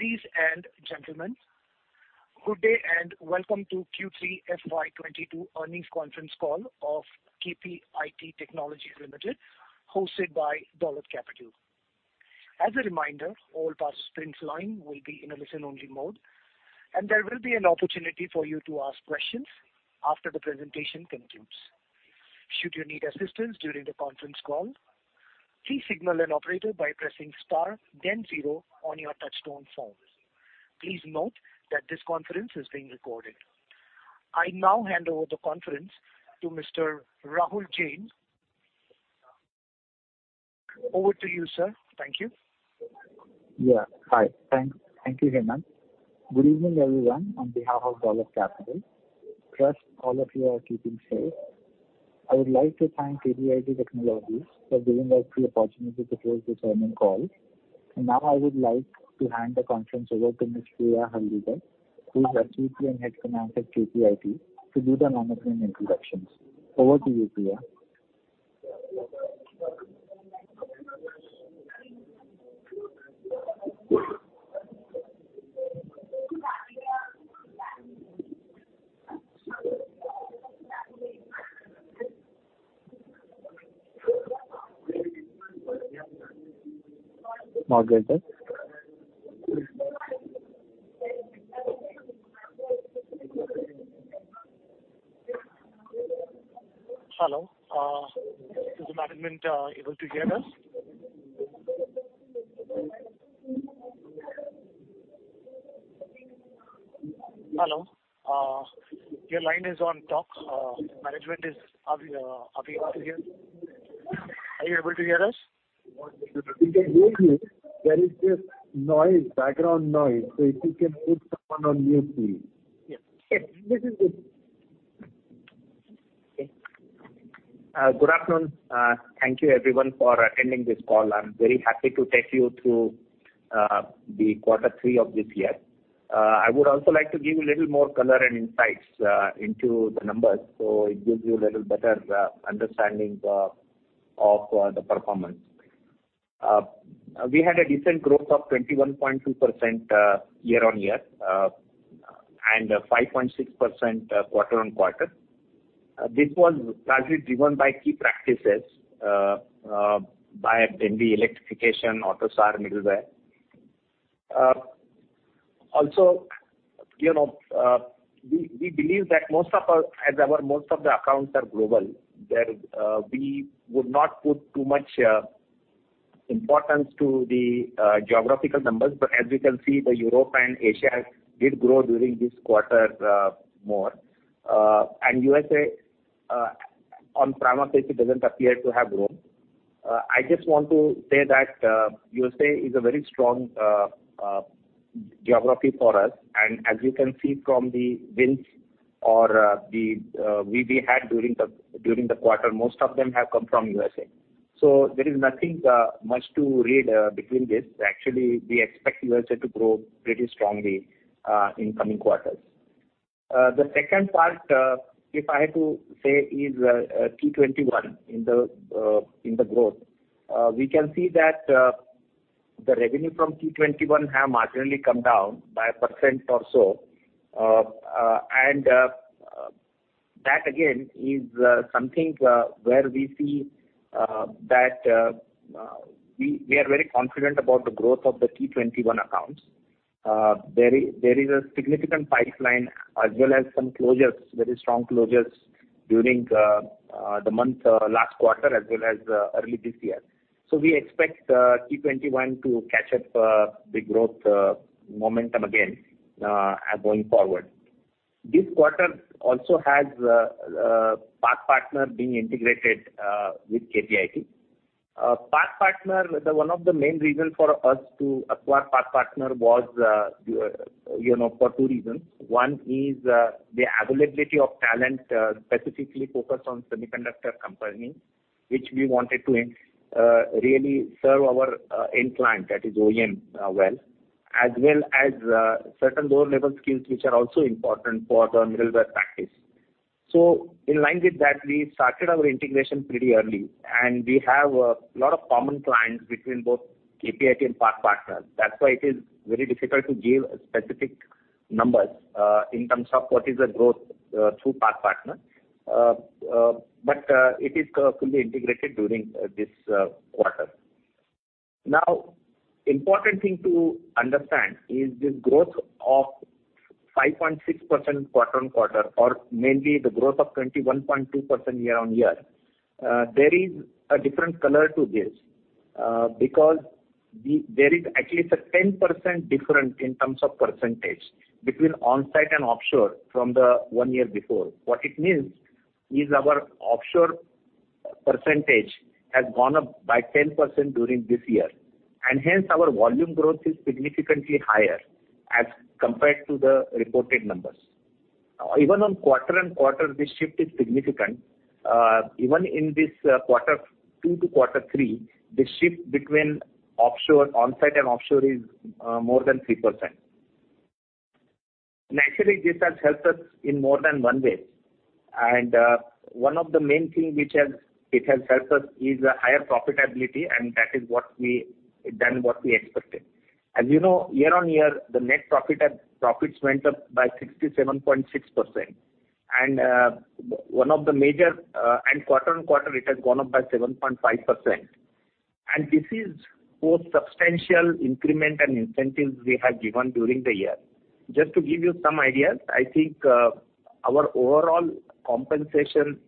Ladies and gentlemen, good day, and welcome to Q3 FY 2022 Earnings Conference Call of KPIT Technologies Limited, hosted by Dolat Capital. As a reminder, all participants' lines will be in a listen-only mode, and there will be an opportunity for you to ask questions after the presentation concludes. Should you need assistance during the conference call, please signal an operator by pressing star then zero on your touch-tone phone. Please note that this conference is being recorded. I now hand over the conference to Mr. Rahul Jain. Over to you, sir. Thank you. Hi, thank you, Hemant. Good evening, everyone, on behalf of Dolat Capital. Trust all of you are keeping safe. I would like to thank KPIT Technologies for giving us the opportunity to host this earnings call. Now I would like to hand the conference over to Mr. Priyamvada Hardikar, who is the CFO and Head of Finance at KPIT, to do the management introductions. Over to you, Priyamvada. Hello, is the management able to hear us? Hello? Your line is on talk. Are we able to hear? Are you able to hear us? We can hear you. There is just noise, background noise. If you can mute everyone on your side. Yes. Yes. This is good. Okay. Good afternoon. Thank you everyone for attending this call. I'm very happy to take you through the quarter three of this year. I would also like to give you a little more color and insights into the numbers, so it gives you a little better understanding of the performance. We had a decent growth of 21.2% year-on-year and 5.6% quarter-on-quarter. This was largely driven by key practices by BMW, Electrification, AUTOSAR, middleware. Also, you know, we believe that as most of our accounts are global, there we would not put too much importance to the geographical numbers. As you can see, Europe and Asia did grow during this quarter more. USA on prima facie doesn't appear to have grown. I just want to say that USA is a very strong geography for us. As you can see from the wins we've had during the quarter, most of them have come from USA. There is nothing much to read into this. Actually, we expect USA to grow pretty strongly in coming quarters. The second part, if I have to say, is T21 in the growth. We can see that the revenue from T21 have marginally come down by 1% or so. That again is something where we see that we are very confident about the growth of the T-21 accounts. There is a significant pipeline as well as some closures, very strong closures during the month last quarter, as well as early this year. We expect T-21 to catch up the growth momentum again going forward. This quarter also has PathPartner being integrated with KPIT. PathPartner, one of the main reasons for us to acquire PathPartner was, you know, for two reasons. One is the availability of talent specifically focused on semiconductor companies, which we wanted to really serve our end client, that is OEM, well. As well as certain lower-level skills which are also important for the middleware practice. In line with that, we started our integration pretty early, and we have a lot of common clients between both KPIT and PathPartner. That's why it is very difficult to give specific numbers in terms of what is the growth through PathPartner. But it is fully integrated during this quarter. Now, important thing to understand is this growth of 5.6% quarter-on-quarter, or mainly the growth of 21.2% year-on-year, there is a different color to this. Because there is at least a 10% difference in terms of percentage between onsite and offshore from the one year before. What it means is our offshore percentage has gone up by 10% during this year, and hence our volume growth is significantly higher as compared to the reported numbers. Even on quarter-on-quarter, the shift is significant. Even in this Q2 to Q3, the shift between onsite and offshore is more than 3%. Naturally, this has helped us in more than one way. One of the main thing it has helped us is a higher profitability, and that is more than what we expected. As you know, year-on-year, the net profit after tax went up by 67.6%. Quarter-on-quarter, it has gone up by 7.5%. This is both substantial increment and incentives we have given during the year. Just to give you some ideas, I think, our overall compensation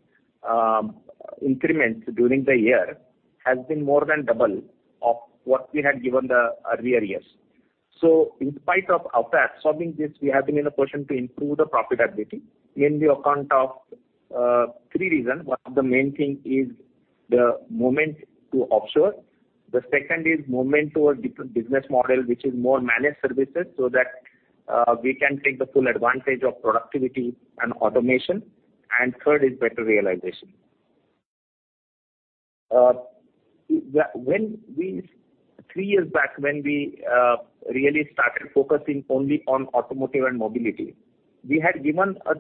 increments during the year has been more than double of what we had given the earlier years. In spite of our past solving this, we have been in a position to improve the profitability mainly on account of three reasons. One of the main thing is the movement to offshore. The second is movement towards different business model, which is more managed services, so that we can take the full advantage of productivity and automation. And third is better realization. When we three years back, when we really started focusing only on automotive and mobility, we had given an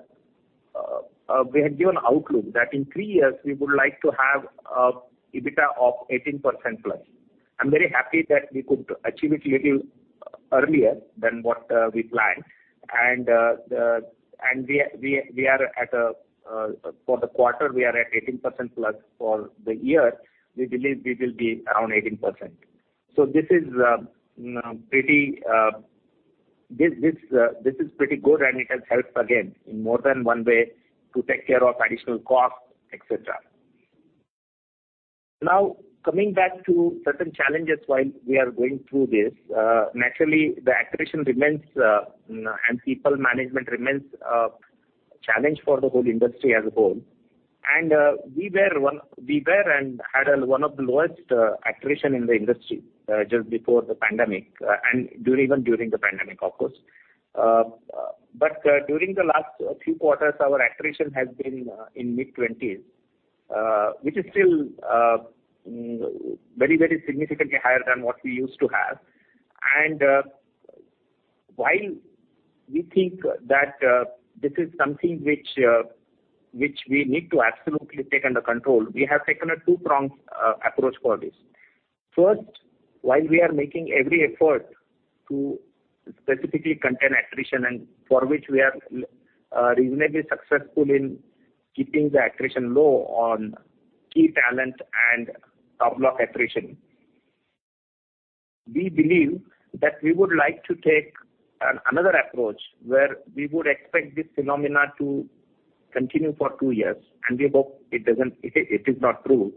outlook that in three years we would like to have EBITDA of 18%+. I'm very happy that we could achieve it a little earlier than what we planned. The and we are at a for the quarter, we are at 18% plus. For the year, we believe we will be around 18%. This is pretty good, and it has helped again in more than one way to take care of additional costs, et cetera. Now, coming back to certain challenges while we are going through this, naturally the attrition remains, and people management remains a challenge for the whole industry as a whole. We were one of the lowest attrition in the industry just before the pandemic, and during the pandemic, of course. During the last few quarters, our attrition has been in mid-20s%, which is still very significantly higher than what we used to have. While we think that this is something which we need to absolutely take under control, we have taken a two-pronged approach for this. First, while we are making every effort to specifically contain attrition and for which we are reasonably successful in keeping the attrition low on key talent and top block attrition. We believe that we would like to take another approach where we would expect this phenomenon to continue for two years, and we hope it doesn't, it is not true.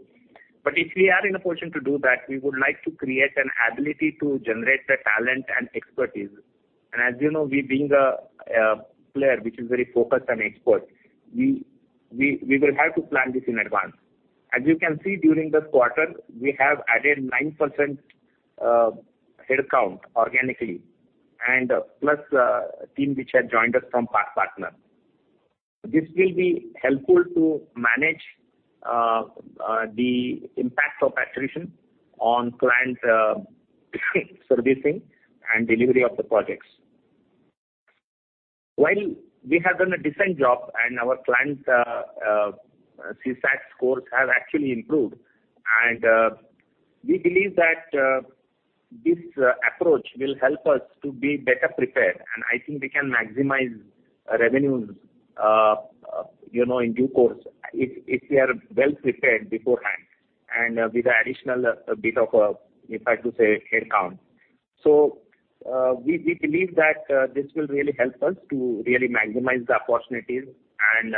If we are in a position to do that, we would like to create an ability to generate the talent and expertise. As you know, we being a player which is very focused on export, we will have to plan this in advance. As you can see during this quarter, we have added 9% headcount organically and the team which had joined us from PathPartner. This will be helpful to manage the impact of attrition on client servicing and delivery of the projects. While we have done a decent job and our clients' CSAT scores have actually improved. We believe that this approach will help us to be better prepared, and I think we can maximize revenues, you know, in due course if we are well prepared beforehand and with additional bit of, if I may say, headcount. We believe that this will really help us to really maximize the opportunities and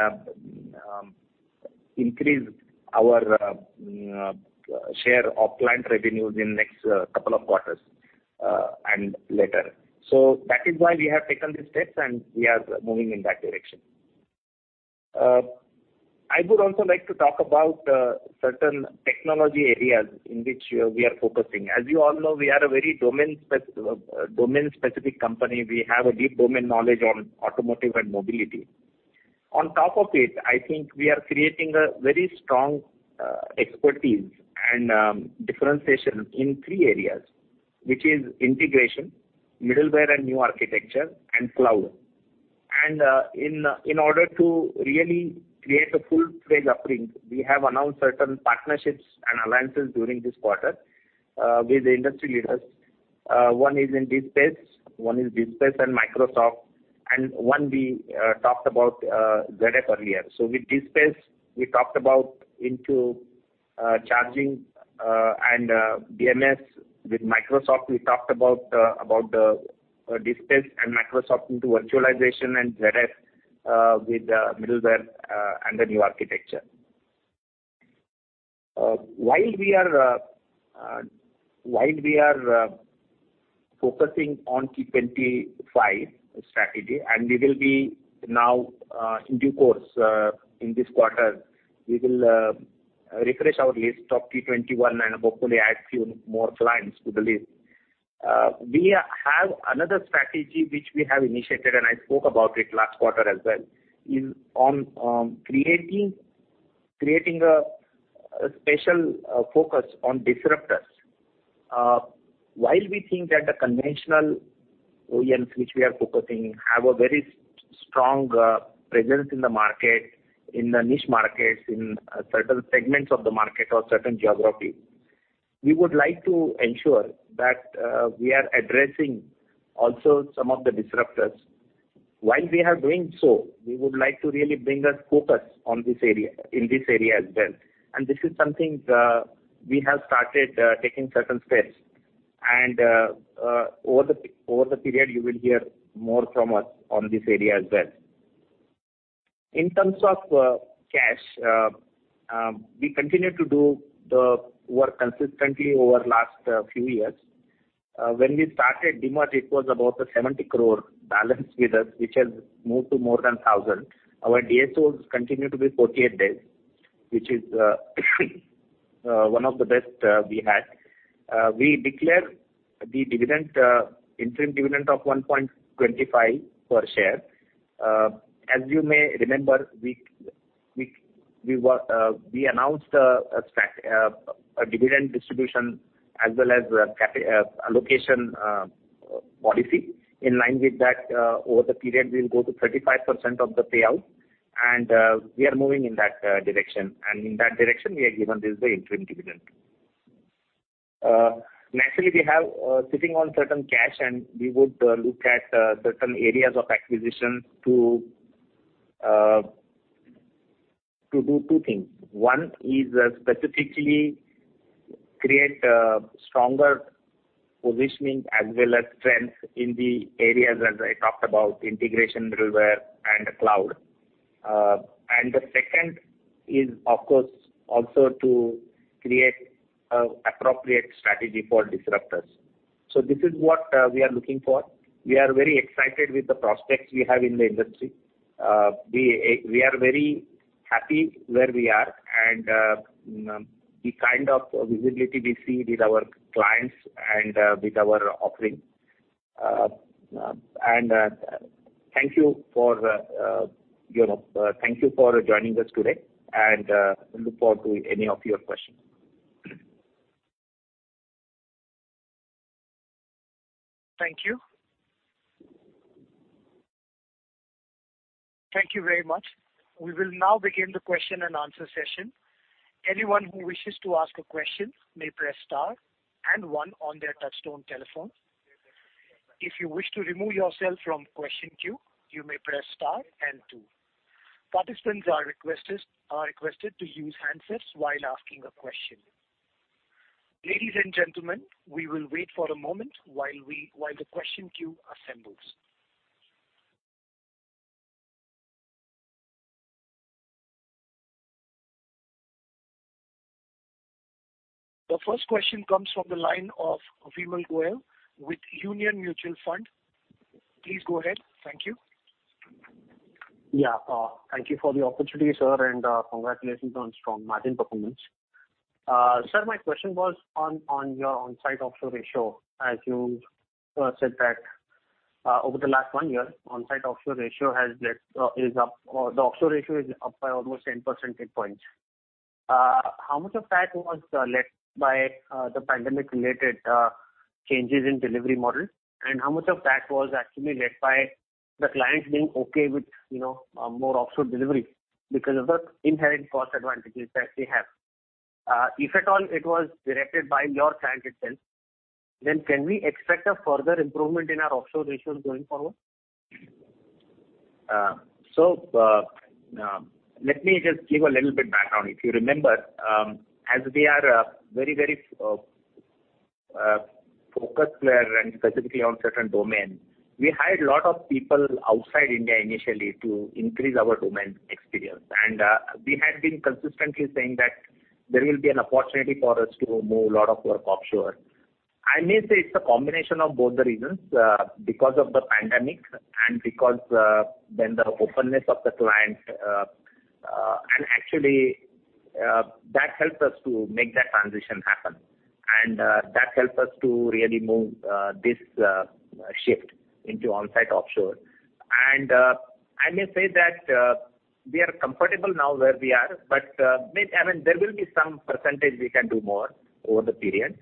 increase our share of client revenues in next couple of quarters and later. That is why we have taken these steps, and we are moving in that direction. I would also like to talk about certain technology areas in which we are focusing. As you all know, we are a very domain-specific company. We have a deep domain knowledge on automotive and mobility. On top of it, I think we are creating a very strong expertise and differentiation in three areas, which is integration, middleware and new architecture, and cloud. In order to really create a full-fledged offering, we have announced certain partnerships and alliances during this quarter with the industry leaders. One is in dSPACE, one is dSPACE and Microsoft, and one we talked about ZF earlier. With dSPACE, we talked about into charging and BMS. With Microsoft, we talked about the dSPACE and Microsoft into virtualization and ZF with middleware and the new architecture. While we are focusing on T-25 strategy, and we will be now in due course in this quarter, we will refresh our list of T-21 and hopefully add few more clients to the list. We have another strategy which we have initiated, and I spoke about it last quarter as well, is on creating a special focus on disruptors. While we think that the conventional OEMs which we are focusing have a very strong presence in the market, in the niche markets, in certain segments of the market or certain geographies. We would like to ensure that we are addressing also some of the disruptors. While we are doing so, we would like to really bring a focus on this area in this area as well. This is something we have started taking certain steps. Over the period, you will hear more from us on this area as well. In terms of cash, we continue to do the work consistently over last few years. When we started demerger, it was about 70 crore balance with us, which has moved to more than 1,000. Our DSOs continue to be 48 days, which is one of the best we had. We declare the dividend, interim dividend of 1.25 per share. As you may remember, we announced a dividend distribution as well as a capital allocation policy. In line with that, over the period, we'll go to 35% of the payout, and we are moving in that direction. In that direction, we have given this, the interim dividend. Naturally, we have sitting on certain cash, and we would look at certain areas of acquisition to do two things. One is specifically create a stronger positioning as well as strength in the areas as I talked about integration middleware and cloud. The second is, of course, also to create appropriate strategy for disruptors. This is what we are looking for. We are very excited with the prospects we have in the industry. We are very happy where we are and the kind of visibility we see with our clients and with our offering. Thank you for joining us today and look forward to any of your questions. Thank you. Thank you very much. We will now begin the question and answer session. Anyone who wishes to ask a question may press star and one on their touchtone telephone. If you wish to remove yourself from question queue, you may press star and two. Participants are requested to use handsets while asking a question. Ladies and gentlemen, we will wait for a moment while the question queue assembles. The first question comes from the line of Vimal Gohil with Union Mutual Fund. Please go ahead. Thank you. Yeah. Thank you for the opportunity, sir, and congratulations on strong margin performance. Sir, my question was on your onsite-offshore ratio. As you said that over the last one year, onsite-offshore ratio is up, or the offshore ratio is up by almost 10 percentage points. How much of that was led by the pandemic-related changes in delivery model? And how much of that was actually led by the clients being okay with, you know, more offshore delivery because of the inherent cost advantages that they have? If at all it was dictated by your client itself, then can we expect a further improvement in our offshore ratios going forward? Let me just give a little bit background. If you remember, as we are very focused player and specifically on certain domain, we hired a lot of people outside India initially to increase our domain experience. We had been consistently saying that there will be an opportunity for us to move a lot of work offshore. I may say it's a combination of both the reasons, because of the pandemic and because then the openness of the client. Actually, that helps us to make that transition happen, and that helps us to really move this shift into onsite-offshore. I may say that we are comfortable now where we are, but may... I mean, there will be some percentage we can do more over the period,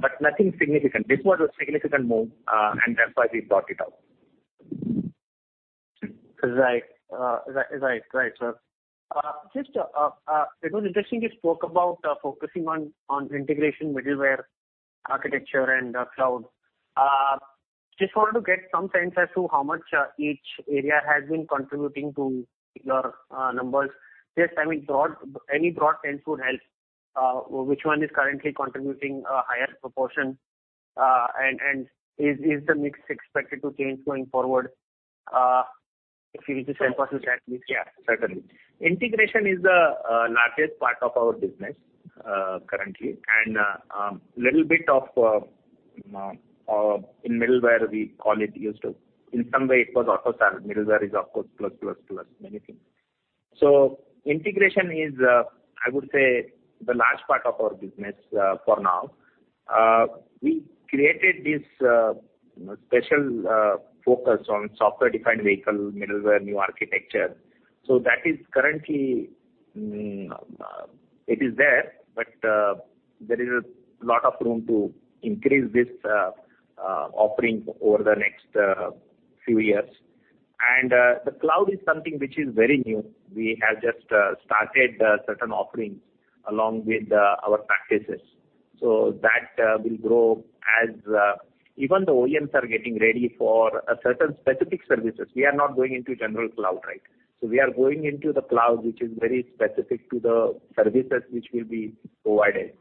but nothing significant. This was a significant move, and that's why we brought it out. Right, sir. It was interesting you spoke about focusing on integration middleware architecture and cloud. Just wanted to get some sense as to how much each area has been contributing to your numbers. I mean, any broad sense would help. Which one is currently contributing a higher proportion? Is the mix expected to change going forward? If you could shed some light please. Yeah, certainly. Integration is the largest part of our business, currently, and little bit of in middleware we call it UDS too. In some way it was also sold. Middleware is, of course, plus many things. Integration is, I would say, the large part of our business for now. We created this special focus on software-defined vehicle, middleware, new architecture. That is currently there, but there is a lot of room to increase this offering over the next few years. The cloud is something which is very new. We have just started certain offerings along with our practices. That will grow as even the OEMs are getting ready for certain specific services. We are not going into general cloud, right? We are going into the cloud, which is very specific to the services which will be provided.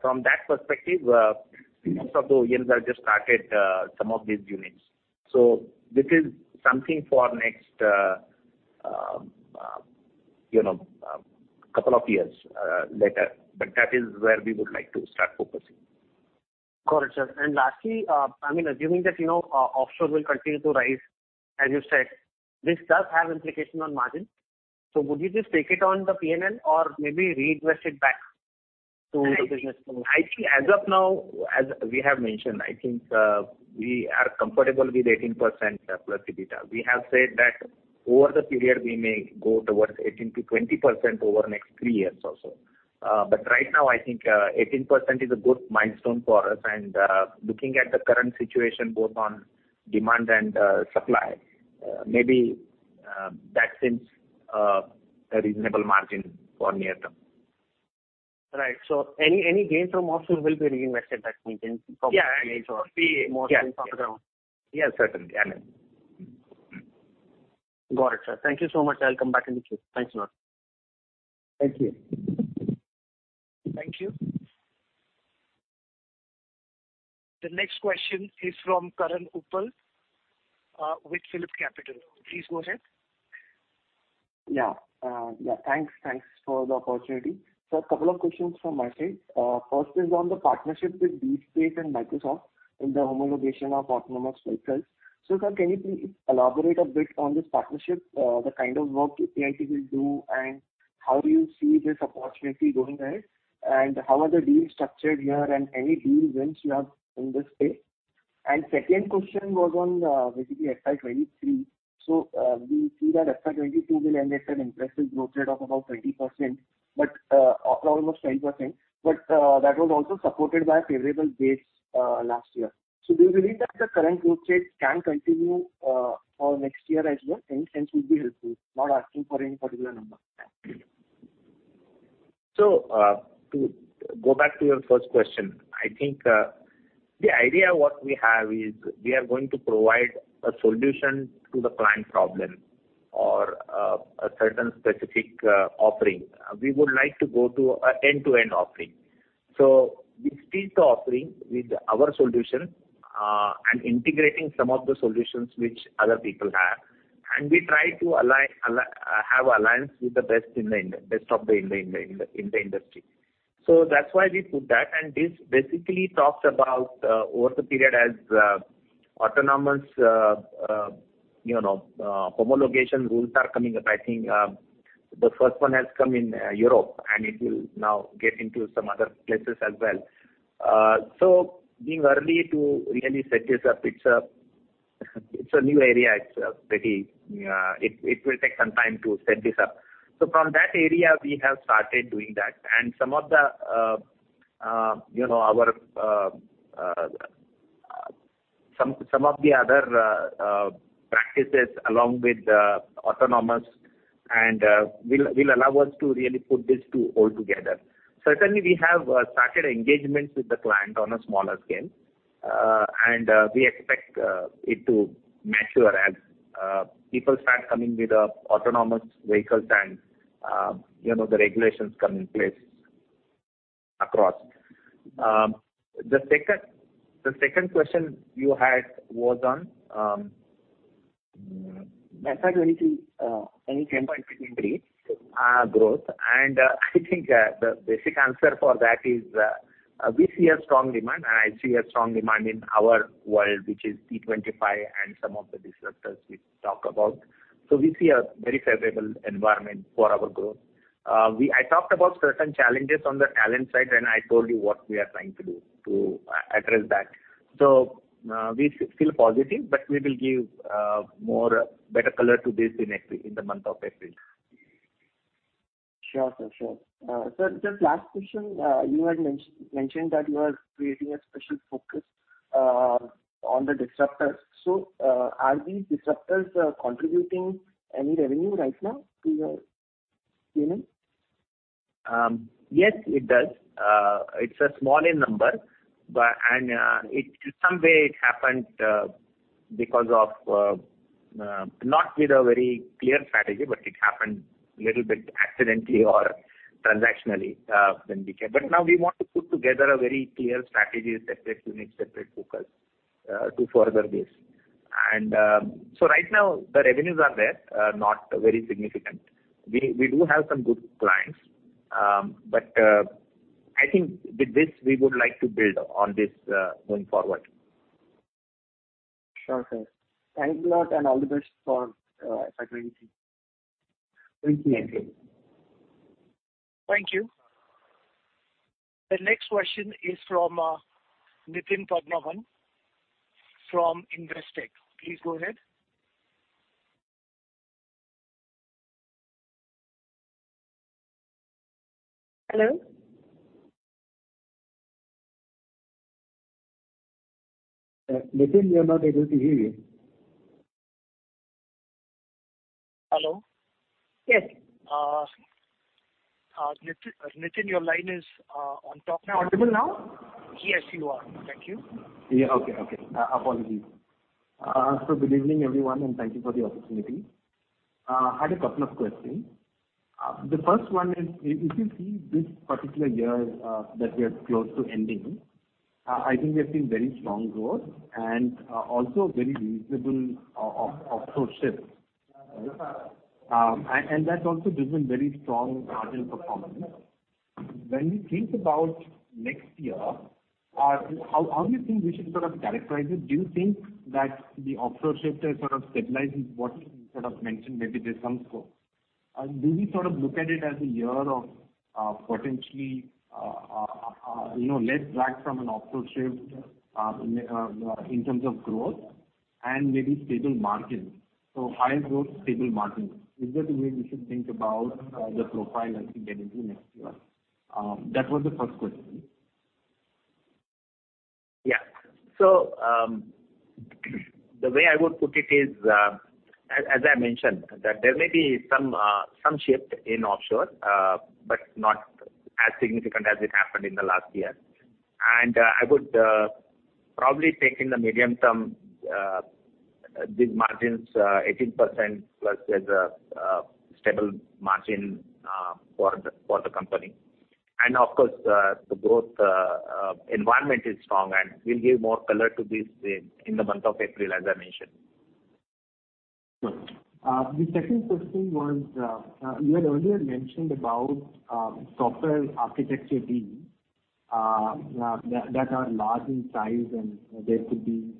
From that perspective, most of the OEMs have just started some of these units. This is something for next, you know, couple of years, later. That is where we would like to start focusing. Correct, sir. Lastly, I mean, assuming that, you know, offshore will continue to rise, as you said, this does have implication on margin. Would you just take it on the P&L or maybe reinvest it back to the business? I think as of now, As we have mentioned, I think, we are comfortable with 18%+ EBITDA. We have said that over the period, we may go towards 18%-20% over next three years also. Right now, I think, 18% is a good milestone for us. Looking at the current situation, both on demand and supply, maybe that seems a reasonable margin for near term. Right. Any gains from offshore will be reinvested back within- Yeah. From the most of them. Yes, certainly. I mean. Got it, sir. Thank you so much. I'll come back in the queue. Thanks a lot. Thank you. Thank you. The next question is from Karan Uppal, with PhillipCapital. Please go ahead. Thanks for the opportunity. A couple of questions from my side. First is on the partnership with dSPACE and Microsoft in the homologation of autonomous vehicles. Sir, can you please elaborate a bit on this partnership, the kind of work that KPIT will do, and how do you see this opportunity going ahead? How are the deals structured here and any deal wins you have in this space? Second question was on basically FY 2023. We see that FY 2022 will end at an impressive growth rate of about 20%, or almost 20%. That was also supported by a favorable base last year. Do you believe that the current growth rate can continue for next year as well? Any sense would be helpful. Not asking for any particular number. Thanks. To go back to your first question, I think, the idea what we have is we are going to provide a solution to the client problem or, a certain specific, offering. We would like to go to an end-to-end offering. We see the offering with our solution, and integrating some of the solutions which other people have. We try to align, have alliance with the best in the industry. That's why we put that. This basically talks about, over the period as, autonomous, you know, homologation rules are coming up. I think, the first one has come in, Europe, and it will now get into some other places as well. Being early to really set this up, it's a new area. It will take some time to set this up. From that area we have started doing that. Some of the other practices along with autonomous and will allow us to really put this too all together. Certainly, we have started engagements with the client on a smaller scale. We expect it to mature as people start coming with the autonomous vehicles and the regulations come in place across. The second question you had was on FY 2022, any sense? 10.63% growth. I think the basic answer for that is we see a strong demand, and I see a strong demand in our world, which is T25 and some of the disruptors we talk about. We see a very favorable environment for our growth. I talked about certain challenges on the talent side, and I told you what we are trying to do to address that. We feel positive, but we will give more better color to this next week, in the month of April. Sure, sir. Sure, sir, just last question. You had mentioned that you are creating a special focus on the disruptors. Are these disruptors contributing any revenue right now to your P&L? Yes, it does. It's small in number, but it in some way happened because of not with a very clear strategy, but it happened little bit accidentally or transactionally, when we can. Now we want to put together a very clear strategy, separate unit, separate focus, to further this. Right now the revenues are there, not very significant. We do have some good clients. I think with this we would like to build on this, going forward. Sure, sir. Thanks a lot and all the best for FY 2023. Thank you. The next question is from Nitin Padmanabhan from Investec. Please go ahead. Hello? Nitin, we are not able to hear you. Hello? Yes. Nitin, your line is open now. Am I audible now? Yes, you are. Thank you. Apologies. Good evening, everyone, and thank you for the opportunity. Had a couple of questions. The first one is, if you see this particular year that we are close to ending, I think we have seen very strong growth and also very reasonable offshore shift. That's also given very strong margin performance. When we think about next year, how do you think we should sort of characterize it? Do you think that the offshore shift has sort of stabilized and what you sort of mentioned, maybe there's some scope? Do we sort of look at it as a year of, potentially, you know, less drag from an offshore shift in terms of growth and maybe stable margins? High growth, stable margins. Is that the way we should think about the profile as we get into next year? That was the first question. Yeah. The way I would put it is, as I mentioned, that there may be some shift in offshore, but not as significant as it happened in the last year. I would probably take in the medium term, these margins, 18% plus as a stable margin, for the company. Of course, the growth environment is strong, and we'll give more color to this in the month of April, as I mentioned. Sure. The second question was, you had earlier mentioned about software architecture deals that are large in size, and there could be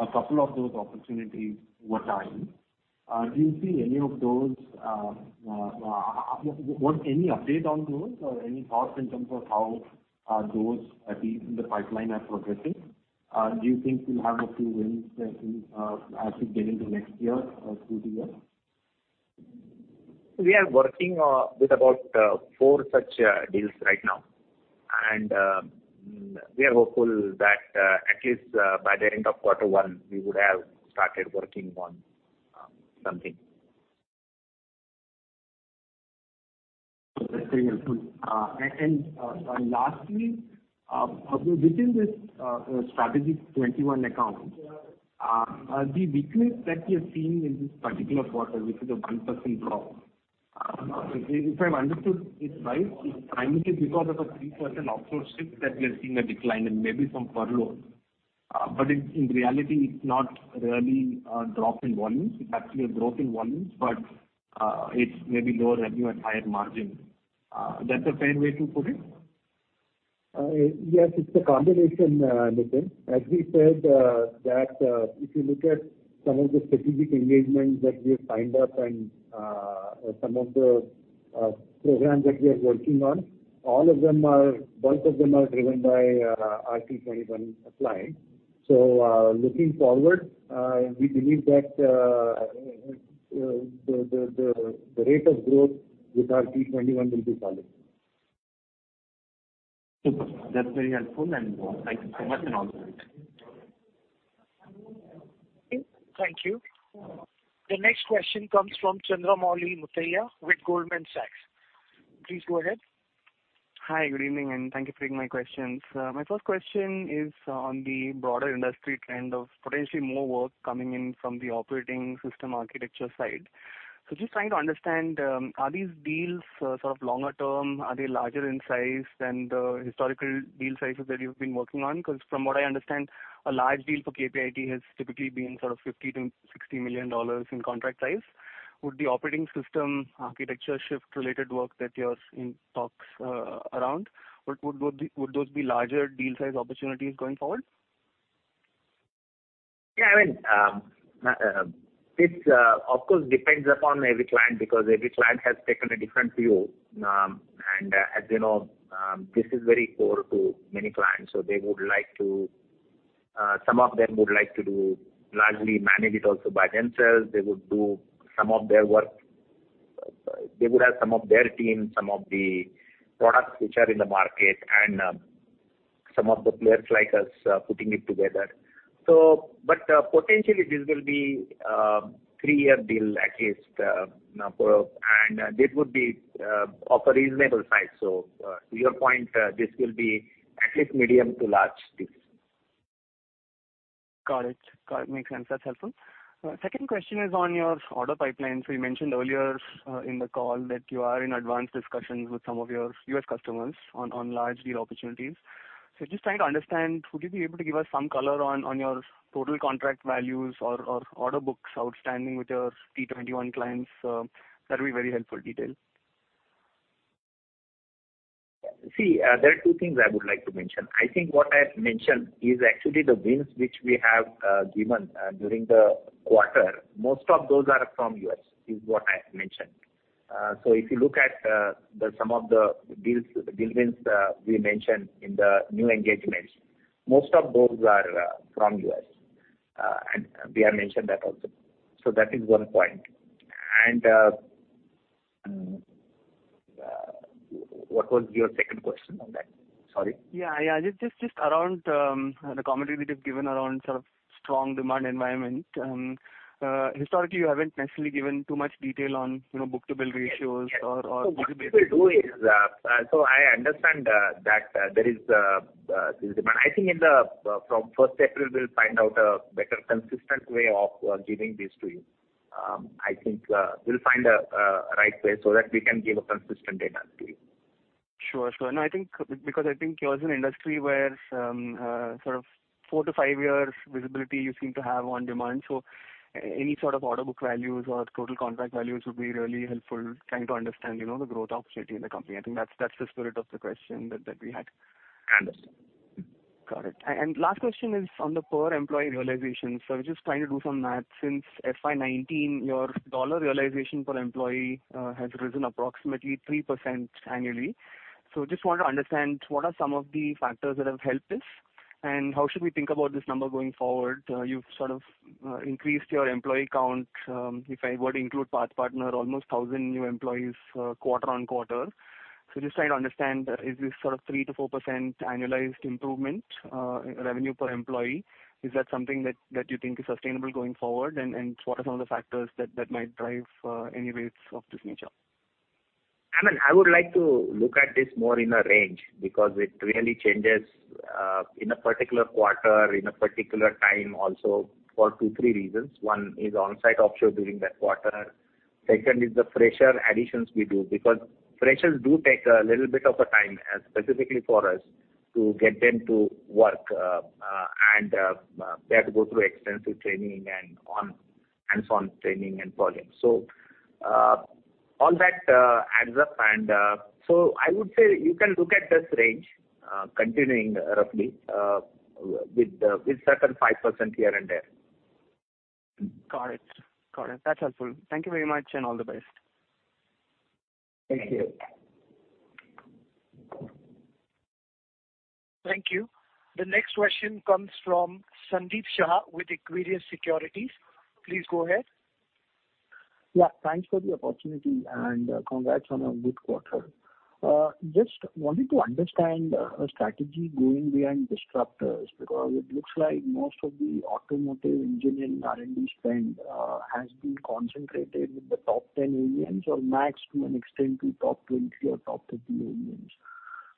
a couple of those opportunities over time. Do you see any of those? Any update on those or any thoughts in terms of how those deals in the pipeline are progressing? Do you think we'll have a few wins as we get into next year through the year? We are working with about four such deals right now. We are hopeful that at least by the end of quarter one, we would have started working on something. That's very helpful. Lastly, probably within this T21 account, the weakness that we are seeing in this particular quarter, which is a 1% drop, if I've understood it right, it's primarily because of a 3% offshore shift that we are seeing a decline and maybe some furloughs. In reality, it's not really a drop in volumes. It's actually a growth in volumes, but it's maybe lower revenue and higher margin. Is that a fair way to put it? Yes, it's a combination, Nitin. As we said, that if you look at some of the strategic engagements that we have signed up and some of the programs that we are working on, most of them are driven by our T-20 clients. Looking forward, we believe that the rate of growth with our T-21 will be solid. Super. That's very helpful and thank you so much and all the best. Okay, thank you. The next question comes from Chandramouli Muthiah with Goldman Sachs. Please go ahead. Hi, good evening, and thank you for taking my questions. My first question is on the broader industry trend of potentially more work coming in from the operating system architecture side. Just trying to understand, are these deals sort of longer term? Are they larger in size than the historical deal sizes that you've been working on? Cause from what I understand, a large deal for KPIT has typically been sort of $50 million-$60 million in contract size. Would the operating system architecture shift related work that you're in talks around, would those be larger deal size opportunities going forward? Yeah, I mean, this, of course, depends upon every client, because every client has taken a different view. As you know, this is very core to many clients, so they would like to, some of them would like to do largely manage it also by themselves. They would do some of their work. They would have some of their team, some of the products which are in the market and, some of the players like us putting it together. Potentially this will be a three-year deal at least for this would be of a reasonable size. To your point, this will be at least medium to large deals. Got it. Makes sense. That's helpful. Second question is on your order pipeline. You mentioned earlier in the call that you are in advanced discussions with some of your U.S. customers on large deal opportunities. Just trying to understand, would you be able to give us some color on your total contract values or order books outstanding with your T21 clients? That'll be very helpful detail. See, there are two things I would like to mention. I think what I've mentioned is actually the wins which we have given during the quarter, most of those are from U.S., is what I mentioned. If you look at some of the deals, deal wins we mentioned in the new engagements, most of those are from U.S. Priya Hardikar mentioned that also. That is one point. What was your second question on that? Sorry. Yeah. Just around the commentary that you've given around sort of strong demand environment. Historically, you haven't necessarily given too much detail on, you know, book-to-bill ratios. Yes. Or, or- What we will do is, I understand that there is this demand. I think from first April we'll find out a better consistent way of giving this to you. I think we'll find a right way so that we can give consistent data to you. Sure. No, I think because I think yours is an industry where sort of 4-5 years visibility you seem to have on demand, so any sort of order book values or total contract values would be really helpful trying to understand, you know, the growth opportunity in the company. I think that's the spirit of the question that we had. Understood. Got it. Last question is on the per employee realization. Just trying to do some math. Since FY 2019, your $ realization per employee has risen approximately 3% annually. Just want to understand what are some of the factors that have helped this, and how should we think about this number going forward? You've sort of increased your employee count, if I were to include PathPartner, almost 1,000 new employees, quarter-on-quarter. Just trying to understand, is this sort of 3%-4% annualized improvement, revenue per employee, is that something that you think is sustainable going forward? What are some of the factors that might drive any rates of this nature? I mean, I would like to look at this more in a range because it really changes in a particular quarter, in a particular time also for two, three reasons. One is onsite offshore during that quarter. Second is the fresher additions we do, because freshers do take a little bit of a time, specifically for us to get them to work, and they have to go through extensive training and hands-on training and volume. So, all that adds up. I would say you can look at this range continuing roughly with certain 5% here and there. Got it. That's helpful. Thank you very much and all the best. Thank you. Thank you. The next question comes from Sandeep Shah with Equirus Securities. Please go ahead. Yeah, thanks for the opportunity and congrats on a good quarter. Just wanted to understand strategy going behind disruptors, because it looks like most of the automotive engineering R&D spend has been concentrated with the top 10 OEMs or max to an extent to top 20 or top 30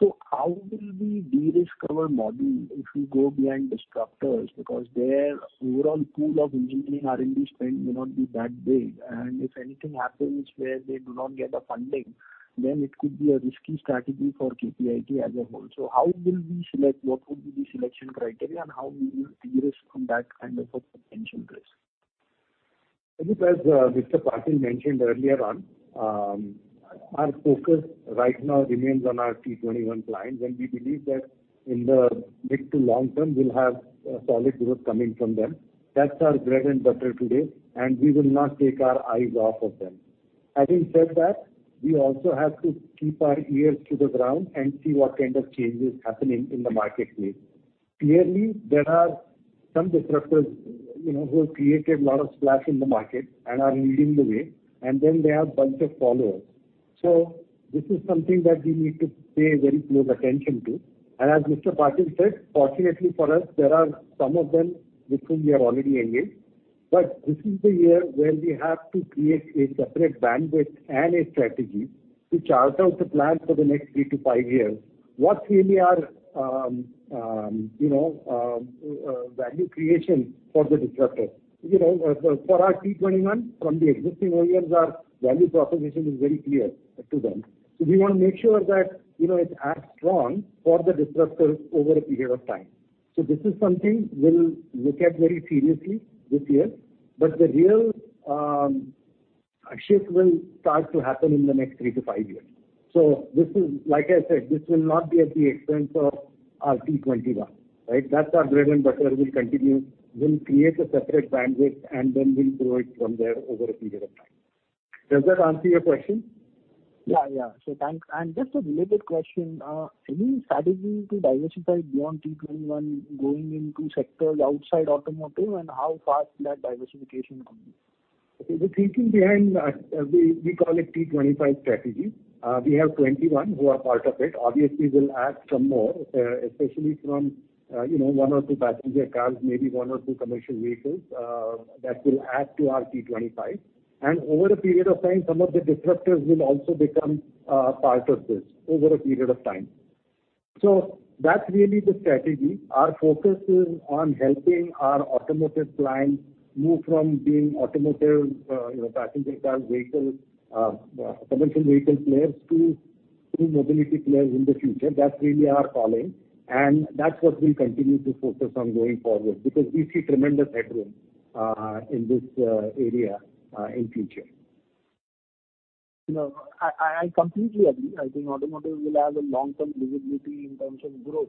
OEMs. How will we de-risk our model if we go behind disruptors because their overall pool of engineering R&D spend may not be that big, and if anything happens where they do not get the funding, then it could be a risky strategy for KPIT as a whole. How will we select? What would be the selection criteria, and how will you de-risk from that kind of a potential risk? I think as Mr. Patil mentioned earlier on, our focus right now remains on our T21 clients, and we believe that in the mid to long term we'll have solid growth coming from them. That's our bread and butter today, and we will not take our eyes off of them. Having said that, we also have to keep our ears to the ground and see what kind of changes happening in the marketplace. Clearly, there are some disruptors, you know, who have created a lot of splash in the market and are leading the way, and then there are bunch of followers. So this is something that we need to pay very close attention to. As Mr. Patil said, fortunately for us, there are some of them with whom we are already engaged. This is the year where we have to create a separate bandwidth and a strategy to chart out the plan for the next 3-5 years. What really are, you know, value creation for the disruptors? You know, for our T21 from the existing OEMs, our value proposition is very clear to them. We want to make sure that, you know, it's as strong for the disruptors over a period of time. This is something we'll look at very seriously this year. The real shift will start to happen in the next 3-5 years. This is, like I said, this will not be at the expense of our T21, right? That's our bread and butter will continue. We'll create a separate bandwidth, and then we'll grow it from there over a period of time. Does that answer your question? Yeah. Thanks. Just a related question. Any strategy to diversify beyond T21 going into sectors outside automotive and how fast that diversification could be? The thinking behind we call it T25 strategy. We have 21 who are part of it. Obviously, we'll add some more, especially from, you know, one or two passenger cars, maybe one or two commercial vehicles, that will add to our T25. Over a period of time, some of the disruptors will also become part of this over a period of time. That's really the strategy. Our focus is on helping our automotive clients move from being automotive, you know, passenger cars, commercial vehicle players to mobility players in the future. That's really our calling, and that's what we'll continue to focus on going forward, because we see tremendous headroom in this area in future. I completely agree. I think automotive will have a long-term visibility in terms of growth.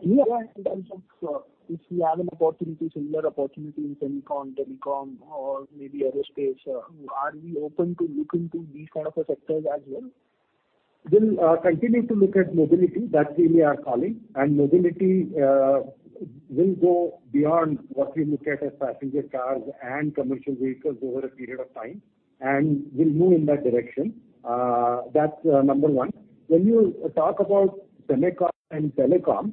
Here in terms of, if we have an opportunity, similar opportunity in semiconductor, telecom, or maybe aerospace, are we open to look into these kind of sectors as well? We'll continue to look at mobility. That's really our calling, and mobility will go beyond what we look at as passenger cars and commercial vehicles over a period of time, and we'll move in that direction. That's number one. When you talk about semicon and telecom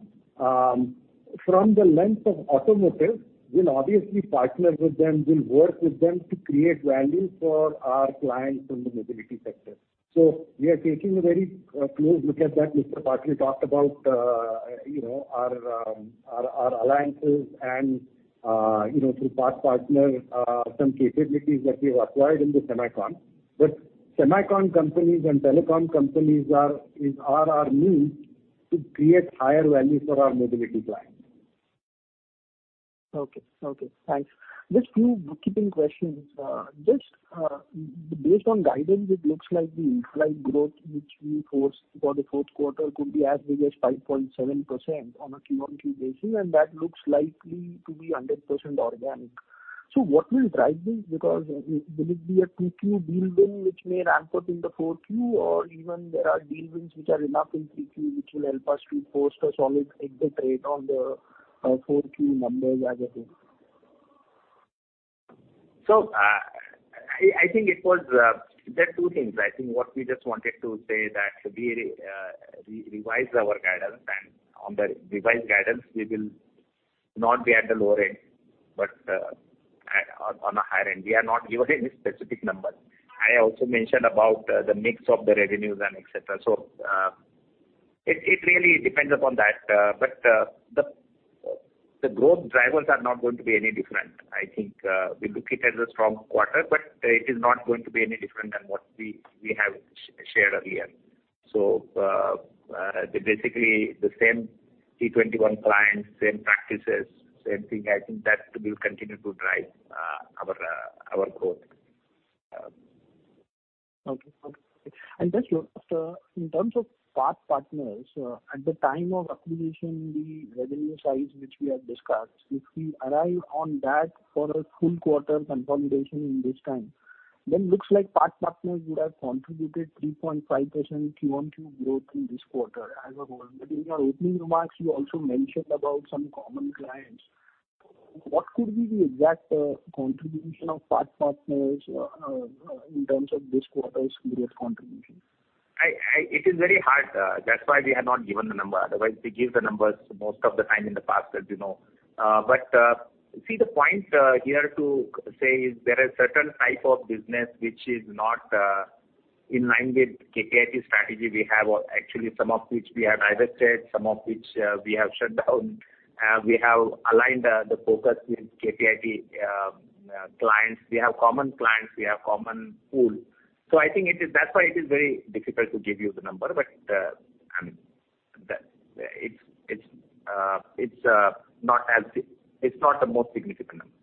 from the lens of automotive, we'll obviously partner with them. We'll work with them to create value for our clients in the mobility sector. We are taking a very close look at that. Mr. Patil talked about you know, our alliances and you know, through PathPartner Technology some capabilities that we have acquired in the semicon. But semicon companies and telecom companies are our means to create higher value for our mobility clients. Just two bookkeeping questions. Based on guidance, it looks like the implied growth which we forecast for the fourth quarter could be as big as 5.7% on a Q-o-Q basis, and that looks likely to be 100% organic. What will drive this? Because will it be a 2Q deal win which may ramp up in the 4Q, or even there are deal wins which are enough in 3Q, which will help us to post a solid execution on the 4Q numbers as a whole? I think what we just wanted to say that we revised our guidance and on the revised guidance we will not be at the lower end, but on a higher end. We are not giving any specific numbers. I also mentioned about the mix of the revenues and et cetera. It really depends upon that. The growth drivers are not going to be any different. I think we look at it as a strong quarter, but it is not going to be any different than what we have shared earlier. Basically the same T21 clients, same practices, same thing. I think that will continue to drive our growth. Just, sir, in terms of PathPartner Technology, at the time of acquisition, the revenue size which we have discussed, if we arrive at that for a full quarter consolidation at this time, then looks like PathPartner Technology would have contributed 3.5% quarter-on-quarter growth in this quarter as a whole. In your opening remarks you also mentioned about some common clients. What could be the exact contribution of PathPartner Technology in terms of this quarter's growth contribution? It is very hard. That's why we have not given the number. Otherwise, we give the numbers most of the time in the past, as you know. See the point here to say is there are certain type of business which is not in line with KPIT strategy. We have actually some of which we have divested, some of which we have shut down. We have aligned the focus with KPIT clients. We have common clients, we have common pool. I think that's why it is very difficult to give you the number. I mean, it's not the most significant number.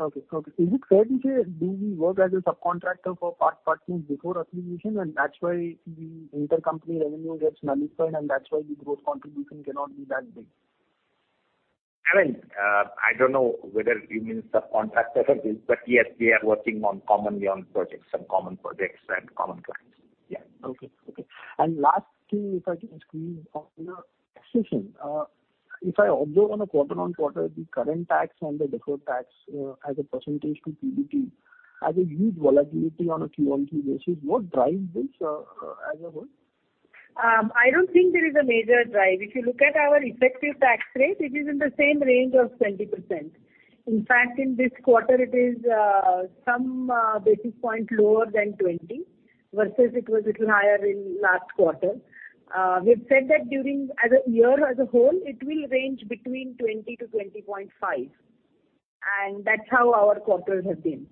Okay. Okay. Is it fair to say, do we work as a subcontractor for PathPartner Technology before acquisition, and that's why the intercompany revenue gets nullified, and that's why the growth contribution cannot be that big? I mean, I don't know whether you mean subcontractor or this, but yes, we are working commonly on projects, some common projects and common clients. Yeah. Last thing, if I can squeeze on the taxation. If I observe on a quarter-on-quarter, the current tax and the deferred tax as a percentage to PBT has a huge volatility on a Q-on-Q basis. What drives this as a whole? I don't think there is a major drive. If you look at our effective tax rate, it is in the same range of 20%. In fact, in this quarter it is some basis point lower than 20% versus it was a little higher in last quarter. We've said that during the year as a whole, it will range between 20%-20.5%, and that's how our quarters have been.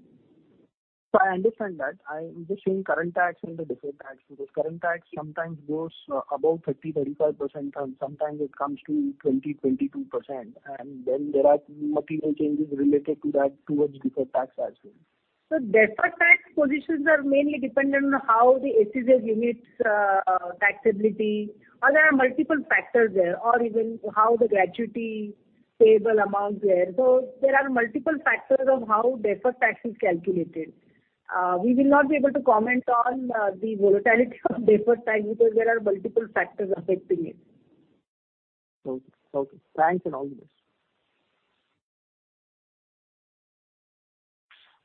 I understand that. I'm just saying current tax and the deferred tax. Because current tax sometimes goes above 30%-35%, and sometimes it comes to 20%-22%. There are material changes related to that towards deferred tax as well. Deferred tax positions are mainly dependent on how the SEZ units' taxability or there are multiple factors there, or even how the gratuity payable amount there. There are multiple factors of how deferred tax is calculated. We will not be able to comment on the volatility of deferred tax because there are multiple factors affecting it. Okay. Thanks and all this.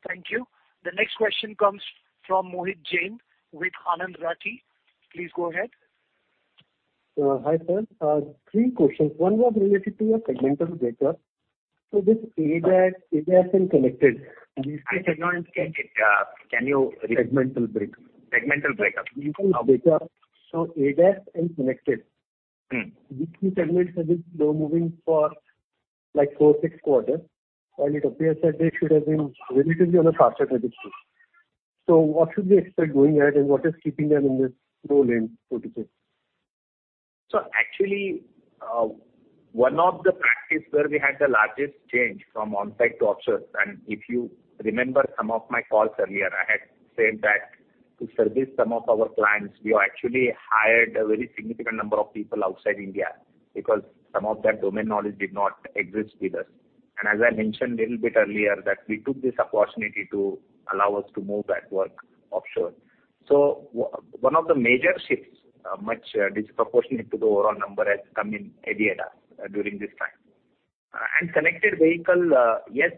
Thank you. The next question comes from Mohit Jain with Anand Rathi. Please go ahead. Hi, sir. Three questions. One was related to your segmental data. This ADAS and connected- I did not get it. Can you repeat? Segmental break. Segmental breakup. Segmental data. ADAS and connected. Mm-hmm. These two segments have been slow moving for like 4-6 quarters, and it appears that they should have been relatively on a faster growth pace. What should we expect going ahead, and what is keeping them in this slow lane, so to say? Actually, one of the practice where we had the largest change from on-site to offshore, and if you remember some of my calls earlier, I had said that to service some of our clients, we actually hired a very significant number of people outside India because some of that domain knowledge did not exist with us. As I mentioned a little bit earlier, that we took this opportunity to allow us to move that work offshore. One of the major shifts, much disproportionate to the overall number has come in ADAS during this time. Connected vehicle, yes,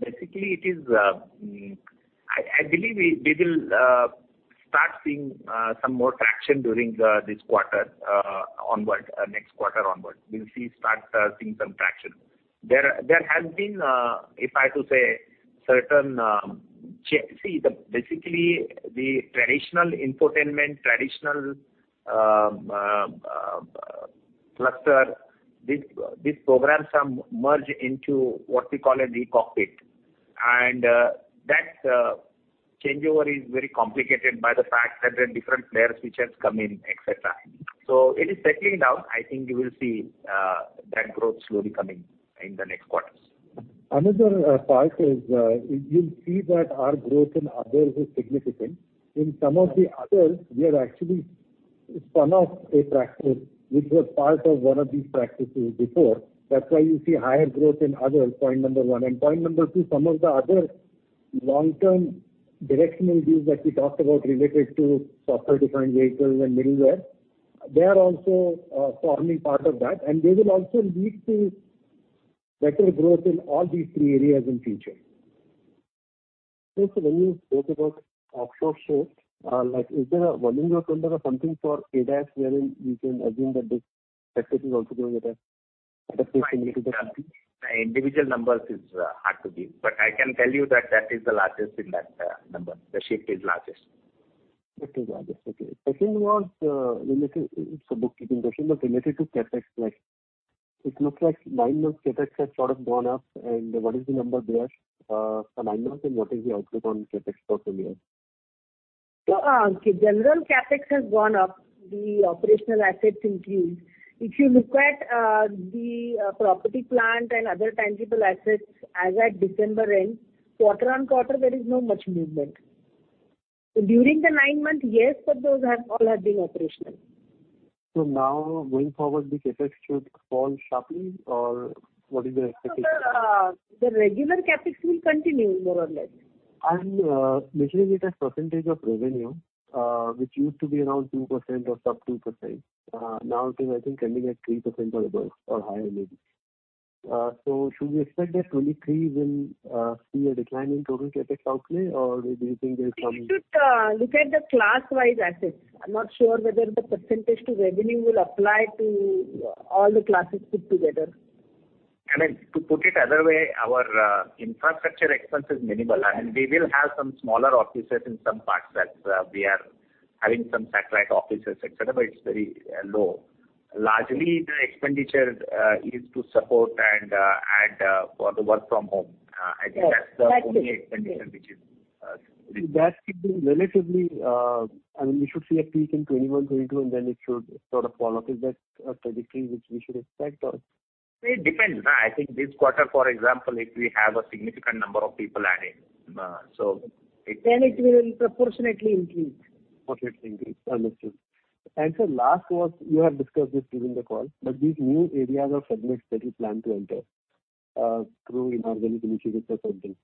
basically it is, I believe we will start seeing some more traction during this quarter onward, next quarter onward. We'll start seeing some traction. There has been, if I to say, certain. See, basically the traditional infotainment, traditional cluster, these programs merge into what we call an e-cockpit. That changeover is very complicated by the fact that there are different players which has come in, et cetera. It is settling down. I think you will see that growth slowly coming in the next quarters. Another part is, you'll see that our growth in other is significant. In some of the others, we have actually spun off a practice which was part of one of these practices before. That's why you see higher growth in other, point number one. Point number two, some of the other long-term directional views that we talked about related to software-defined vehicles and middleware, they are also forming part of that, and they will also lead to better growth in all these three areas in future. When you spoke about offshore shift, like is there a volume or number or something for ADAS wherein we can assume that this practice is also growing at a pace similar to the company? Individual numbers is hard to give, but I can tell you that is the largest in that number. The shift is largest. Shift is largest. Okay. Second was related, it's a bookkeeping question, but related to CapEx. Like, it looks like nine months CapEx has sort of gone up, and what is the number there for nine months, and what is the outlook on CapEx for full year? General CapEx has gone up. The operational assets increased. If you look at the property, plant, and other tangible assets as at December end, quarter-over-quarter, there is not much movement. During the nine months, yes, but those have all been operational. Now going forward, the CapEx should fall sharply, or what is the expectation? The regular CapEx will continue more or less. Measuring it as percentage of revenue, which used to be around 2% or sub 2%, now it is I think trending at 3% or above or higher maybe. Should we expect that 2023 will see a decline in total CapEx outlay, or do you think there's some- You should look at the class-wise assets. I'm not sure whether the percentage to revenue will apply to all the classes put together. I mean, to put it another way, our infrastructure expense is minimal, and we will have some smaller offices in some parts that we are having some satellite offices, et cetera, but it's very low. Largely, the expenditure is to support and add for the work from home. I think that's the- Yes. That's it. Yes. Only expenditure which is seen. That should be relatively, I mean, we should see a peak in 2021, 2022, and then it should sort of fall off. Is that a prediction which we should expect or? It depends. I think this quarter, for example, if we have a significant number of people adding, so it- It will proportionately increase. Proportionately increase. Understood. Sir, last was, you have discussed this during the call, but these new areas or segments that you plan to enter through inorganic initiatives or something.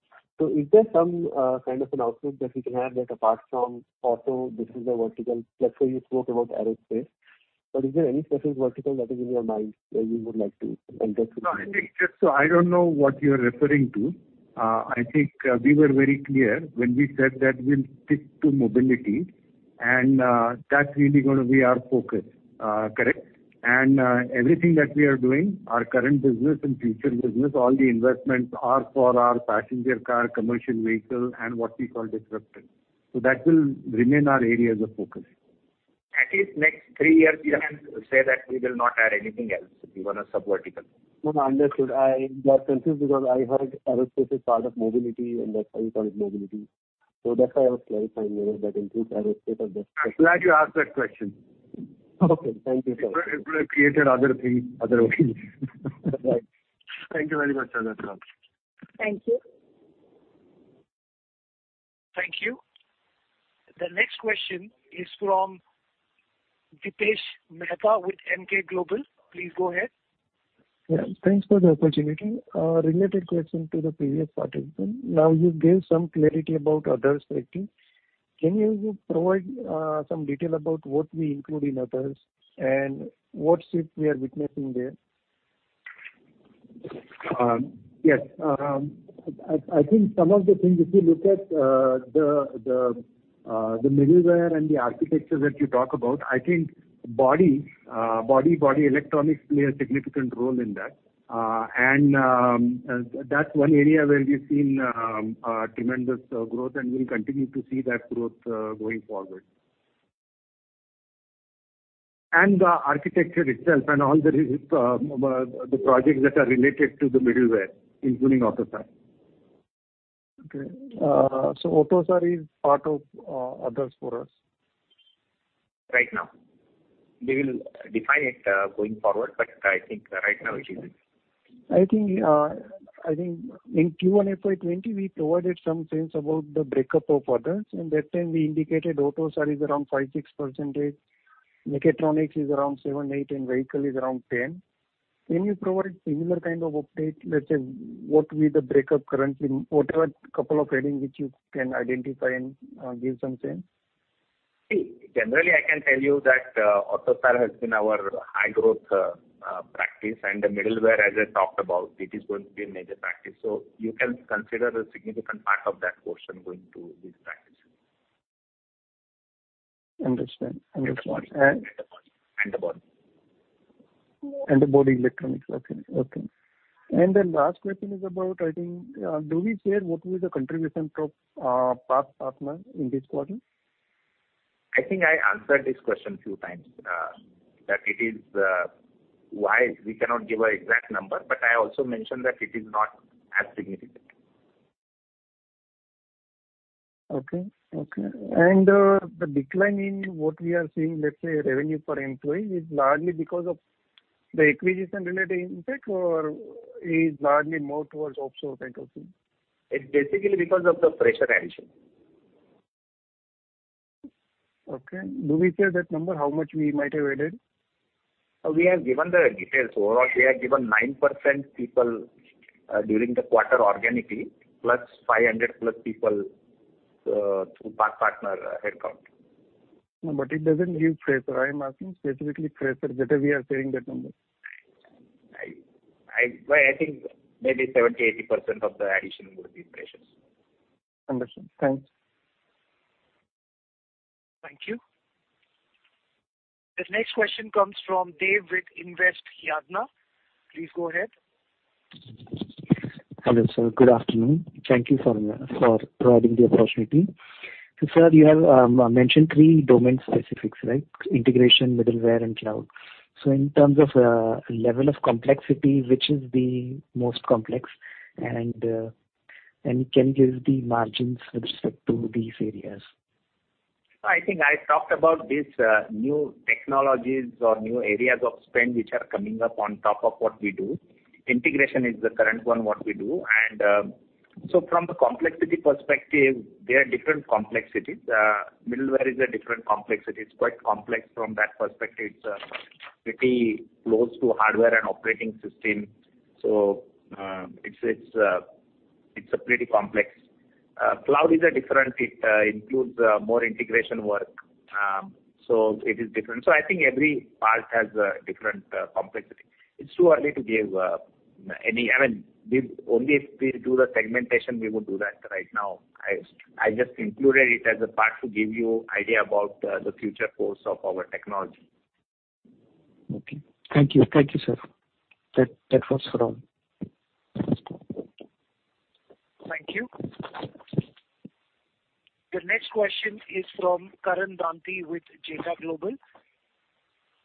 Is there some kind of an outlook that we can have that apart from auto, this is the vertical. Last time you spoke about aerospace. Is there any specific vertical that is in your mind that you would like to enter into? No, I think I just don't know what you're referring to. I think we were very clear when we said that we'll stick to mobility and that's really gonna be our focus. Correct? Everything that we are doing, our current business and future business, all the investments are for our passenger car, commercial vehicle, and what we call disruptive. That will remain our areas of focus. At least next three years we are going to say that we will not add anything else even a sub-vertical. No, no, understood. I got confused because I heard aerospace is part of mobility, and that's why you call it mobility. That's why I was clarifying whether that includes aerospace or just- I'm glad you asked that question. Okay. Thank you, sir. It would have created other thing other way. Right. Thank you very much, sir. That's all. Thank you. Thank you. The next question is from Dipesh Mehta with Emkay Global. Please go ahead. Yeah, thanks for the opportunity. A related question to the previous participant. Now you've gave some clarity about Others segment. Can you provide some detail about what we include in others and what shift we are witnessing there? Yes. I think some of the things, if you look at the middleware and the architecture that you talk about, I think body electronics play a significant role in that. That's one area where we've seen tremendous growth, and we'll continue to see that growth going forward. The architecture itself and all the projects that are related to the middleware, including AUTOSAR. Okay. AUTOSAR is part of others for us? Right now. We will define it, going forward, but I think right now it is. I think in Q1 FY 2020, we provided some sense about the breakup of others, and that time we indicated AUTOSAR is around 5%-6%. Mechatronics is around 7%-8%, and vehicle is around 10%. Can you provide similar kind of update, let's say, what will be the breakup currently? Whatever couple of headings which you can identify and give some sense. See, generally I can tell you that, AUTOSAR has been our high growth practice, and the middleware, as I talked about, it is going to be a major practice. You can consider a significant part of that portion going to these practices. Understand. The body. The body electronics. Okay. Okay. The last question is about, I think, do we share what will be the contribution of PathPartner in this quarter? I think I answered this question a few times. That it is why we cannot give an exact number, but I also mentioned that it is not as significant. Okay. The decline in what we are seeing, let's say revenue per employee, is largely because of the acquisition related impact or is largely more towards offshore type of thing? It's basically because of the fresher addition. Okay. Do we share that number, how much we might have added? We have given the details. Overall, we have given 9% people during the quarter organically, plus 500-plus people through PathPartner headcount. No, it doesn't give freshers. I'm asking specifically freshers, whether we are sharing that number. Well, I think maybe 70%-80% of the addition would be freshers. Understood. Thanks. Thank you. The next question comes from Devang with Invest Yadna. Please go ahead. Hello, sir. Good afternoon. Thank you for providing the opportunity. Sir, you have mentioned three domain specifics, right? Integration, middleware, and cloud. In terms of level of complexity, which is the most complex? Can you give the margins with respect to these areas? I think I talked about these, new technologies or new areas of spend which are coming up on top of what we do. Integration is the current one, what we do. From the complexity perspective, they are different complexities. Middleware is a different complexity. It's quite complex from that perspective. It's pretty close to hardware and operating system. It's a pretty complex. Cloud is a different. It includes more integration work. It is different. I think every part has a different complexity. It's too early to give any. I mean, only if we do the segmentation, we would do that right now. I just included it as a part to give you an idea about the future course of our technology. Okay. Thank you. Thank you, sir. That was all. Thank you. The next question is from Karan Danthi with Jetha Global.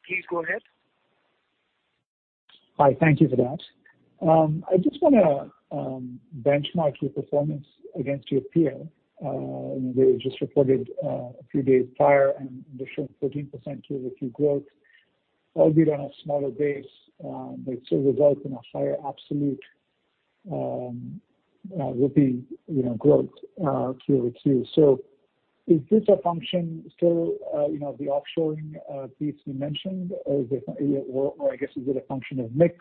Please go ahead. Hi. Thank you for that. I just wanna benchmark your performance against your peer, they just reported a few days prior, and they're showing 14% Q-over-Q growth, albeit on a smaller base, but still result in a higher absolute rupee, you know, growth Q-over-Q. Is this a function still, you know, the offshoring piece we mentioned? Or is it a function of mix,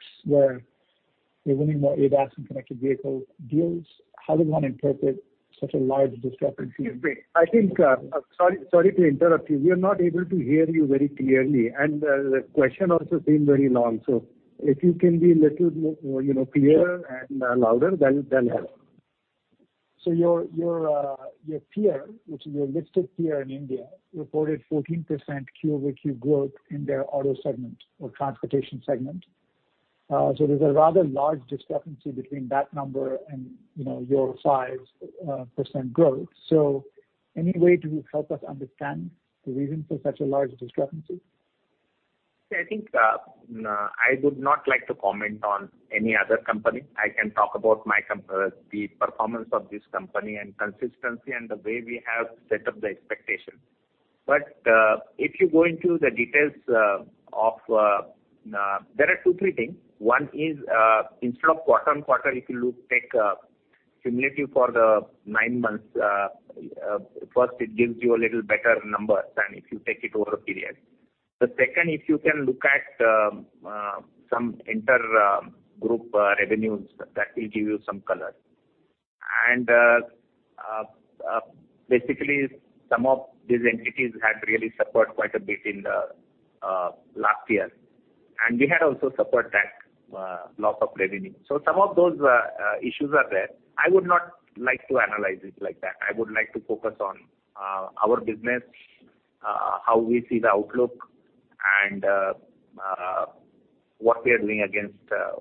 where you're winning more ADAS and connected vehicle deals? How does one interpret such a large discrepancy? Excuse me. I think, sorry to interrupt you. We are not able to hear you very clearly, and the question also seem very long. So if you can be a little clearer and louder, that'll help. Your peer, which is your listed peer in India, reported 14% Q-over-Q growth in their auto segment or transportation segment. There's a rather large discrepancy between that number and, you know, your 5% growth. Any way to help us understand the reason for such a large discrepancy? I think I would not like to comment on any other company. I can talk about the performance of this company and consistency and the way we have set up the expectations. If you go into the details of. There are two, three things. One is, instead of quarter-on-quarter, take cumulatively for the nine months, first it gives you a little better numbers than if you take it over a period. The second, if you can look at some inter-group revenues, that will give you some color. Basically some of these entities had really suffered quite a bit in the last year. We had also suffered that loss of revenue. Some of those issues are there. I would not like to analyze it like that. I would like to focus on our business, how we see the outlook and what we are doing against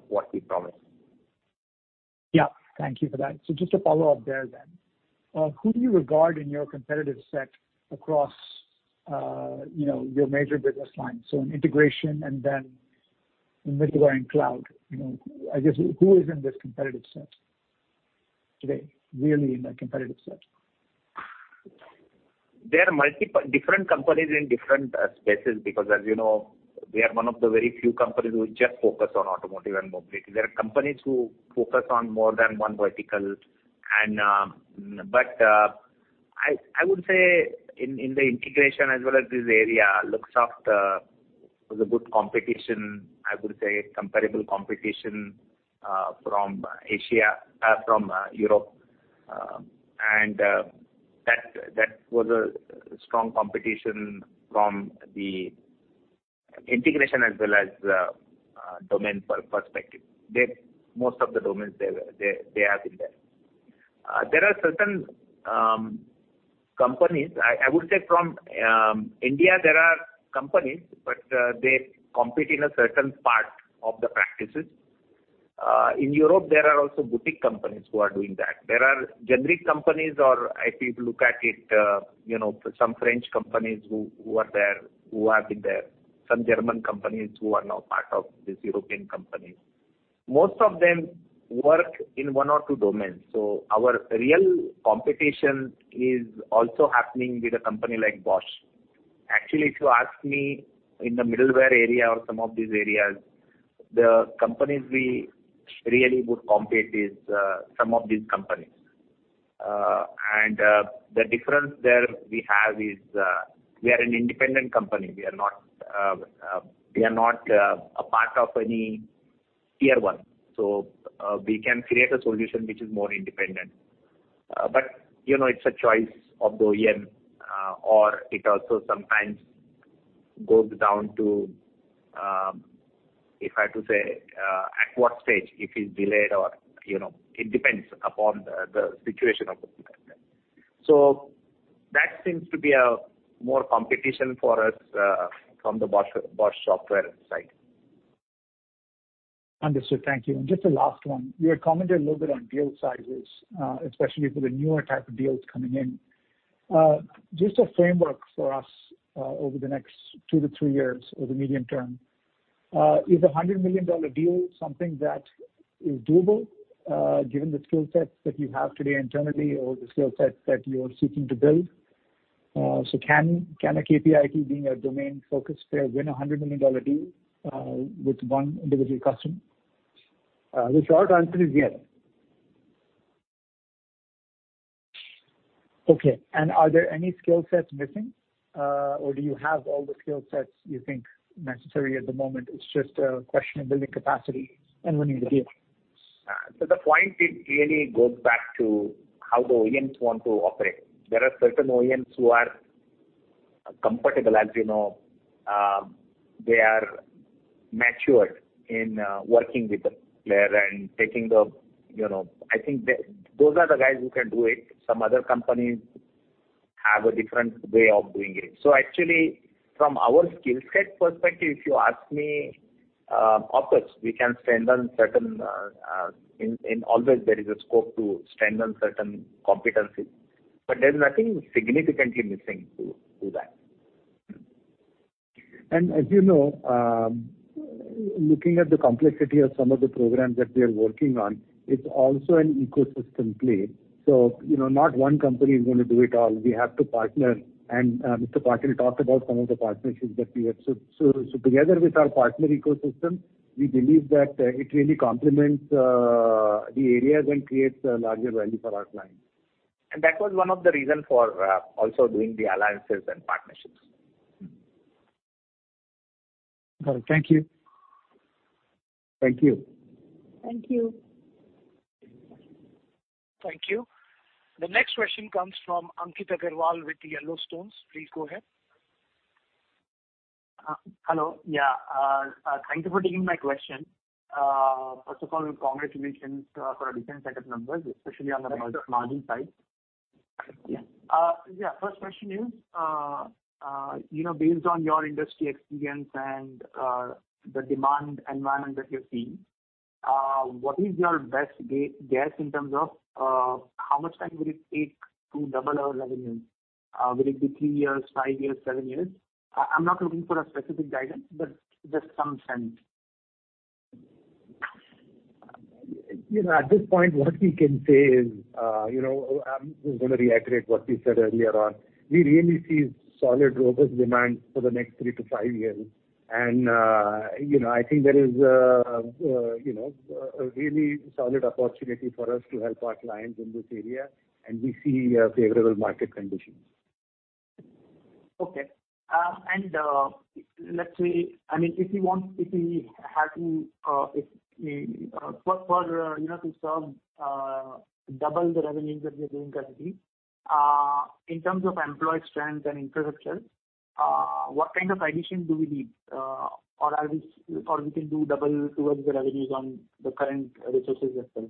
what we promised. Yeah. Thank you for that. Just a follow-up there then. Who do you regard in your competitive set across your major business lines? In integration and then- In middleware and cloud, you know, I guess who is in this competitive set today, really in the competitive set? There are multiple different companies in different spaces because as you know, we are one of the very few companies who just focus on automotive and mobility. There are companies who focus on more than one vertical, but I would say in the integration as well as this area, Luxoft was a good competition, I would say comparable competition from Asia, from Europe. That was a strong competition from the integration as well as the domain perspective. Most of the domains they have been there. There are certain companies I would say from India, but they compete in a certain part of the practices. In Europe, there are also boutique companies who are doing that. There are generic companies or if you look at it, you know, some French companies who are there, who have been there, some German companies who are now part of this European company. Most of them work in one or two domains. Our real competition is also happening with a company like Bosch. Actually, if you ask me in the middleware area or some of these areas, the companies we really would compete with are some of these companies. The difference there we have is we are an independent company. We are not a part of any Tier One. We can create a solution which is more independent. you know, it's a choice of the OEM, or it also sometimes goes down to, if I have to say, at what stage, if it's delayed or, you know, it depends upon the situation of the customer. That seems to be a more competition for us from the Bosch software side. Understood. Thank you. Just the last one. You had commented a little bit on deal sizes, especially for the newer type of deals coming in. Just a framework for us over the next 2-3 years or the medium term. Is a $100 million deal something that is doable, given the skill sets that you have today internally or the skill sets that you are seeking to build? Can KPIT, being a domain-focused player, win a $100 million deal with one individual customer? The short answer is yes. Okay. Are there any skill sets missing, or do you have all the skill sets you think necessary at the moment? It's just a question of building capacity and winning the deal. The point, it really goes back to how the OEMs want to operate. There are certain OEMs who are comfortable, as you know, they are matured in working with a player and taking the, you know. I think that those are the guys who can do it. Some other companies have a different way of doing it. Actually from our skill set perspective, if you ask me, of course, we can strengthen certain, and always there is a scope to strengthen certain competencies, but there is nothing significantly missing to do that. As you know, looking at the complexity of some of the programs that we are working on, it's also an ecosystem play. You know, not one company is gonna do it all. We have to partner. Mr. Patil talked about some of the partnerships that we have. Together with our partner ecosystem, we believe that it really complements the areas and creates a larger value for our clients. That was one of the reasons for also doing the alliances and partnerships. Got it. Thank you. Thank you. Thank you. Thank you. The next question comes from Ankit Agrawal with Yellowstone Equity. Please go ahead. Hello. Thank you for taking my question. First of all, congratulations for a different set of numbers, especially on the margin side. Yeah. Yeah, first question is, you know, based on your industry experience and the demand environment that you're seeing, what is your best guess in terms of how much time will it take to double our revenues? Will it be three years, five years, seven years? I'm not looking for a specific guidance, but just some sense. You know, at this point, what we can say is, you know, I'm just gonna reiterate what we said earlier on. We really see solid robust demand for the next 3-5 years. You know, I think there is, you know, a really solid opportunity for us to help our clients in this area, and we see favorable market conditions. Okay. Let's say, I mean, if you want, if you have to, for you know to serve double the revenues that we are doing currently, in terms of employee strength and infrastructure, what kind of addition do we need? Can we do double towards the revenues on the current resources itself?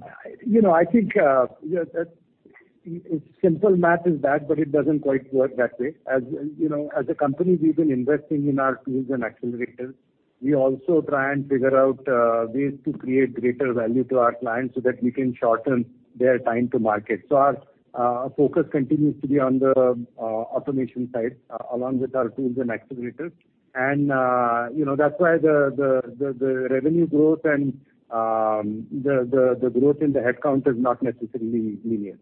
I think, yeah, that it's simple math is that, but it doesn't quite work that way. As you know, as a company, we've been investing in our tools and accelerators. We also try and figure out ways to create greater value to our clients so that we can shorten their time to market. Our focus continues to be on the automation side along with our tools and activators. That's why the revenue growth and the growth in the headcount is not necessarily linear.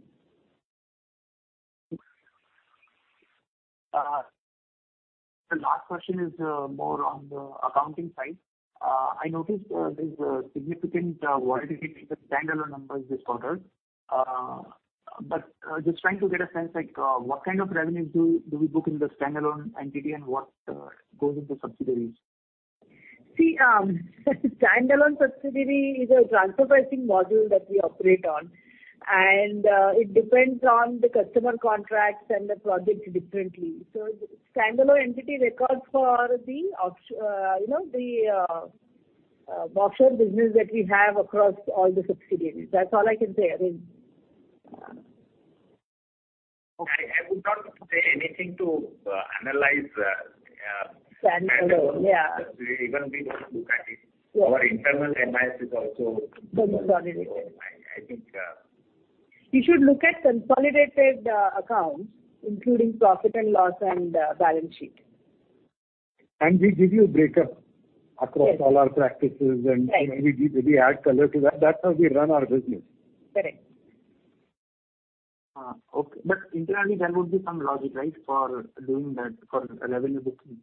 The last question is more on the accounting side. I noticed there's a significant volatility in the standalone numbers this quarter. Just trying to get a sense like what kind of revenues do we book in the standalone entity and what goes into subsidiaries? See, standalone subsidiary is a transfer pricing module that we operate on, and it depends on the customer contracts and the projects differently. Standalone entity records for the offshore business that we have across all the subsidiaries. That's all I can say. I mean. Okay. I would not say anything to analyze. Standalone. Yeah. Standalone. Even we don't look at it. Yeah. Our internal MIS is also. Consolidated. I think. You should look at consolidated accounts, including profit and loss and balance sheet. We give you a breakup. Yes Across all our practices and we add color to that. That's how we run our business. Correct. Okay. Internally there would be some logic, right, for doing that for revenue booking?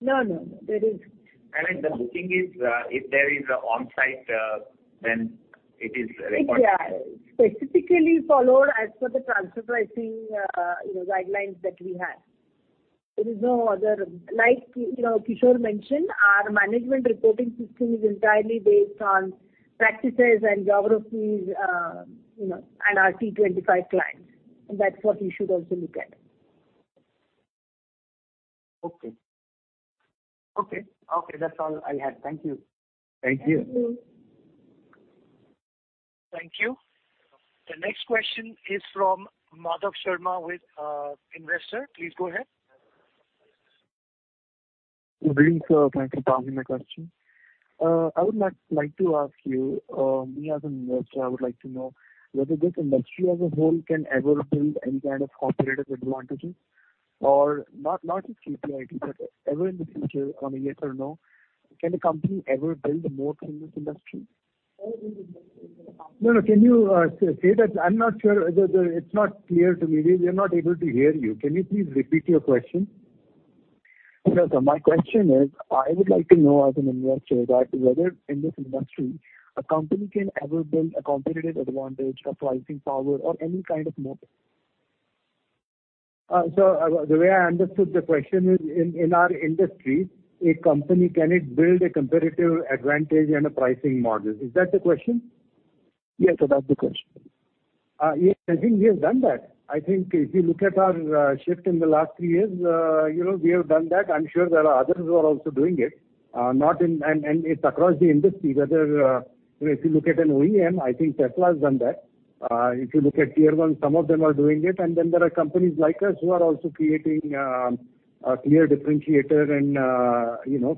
No, no. The booking is, if there is an on-site, then it is recorded. Yeah. Specifically followed as per the transfer pricing, you know, guidelines that we have. There is no other. Like, you know, Kishore mentioned, our management reporting system is entirely based on practices and geographies, you know, and our T25 clients. That's what you should also look at. Okay. That's all I had. Thank you. Thank you. Thank you. Thank you. The next question is from Madhav Sharma with Investor. Please go ahead. Good evening, sir. Thank you for taking my question. I would like to ask you as an investor, I would like to know whether this industry as a whole can ever build any kind of competitive advantages or not just KPIT, but ever in the future on a yes or no, can a company ever build a moat in this industry? No, no. Can you say that. I'm not sure. It's not clear to me. We are not able to hear you. Can you please repeat your question? No, sir. My question is, I would like to know as an investor that whether in this industry a company can ever build a competitive advantage or pricing power or any kind of moat? The way I understood the question is in our industry, a company, can it build a competitive advantage and a pricing model? Is that the question? Yes, sir. That's the question. Yes, I think we have done that. I think if you look at our shift in the last three years, you know, we have done that. I'm sure there are others who are also doing it. It's across the industry, whether you know, if you look at an OEM, I think Tesla has done that. If you look at Tier One, some of them are doing it. And then there are companies like us who are also creating a clear differentiator and you know,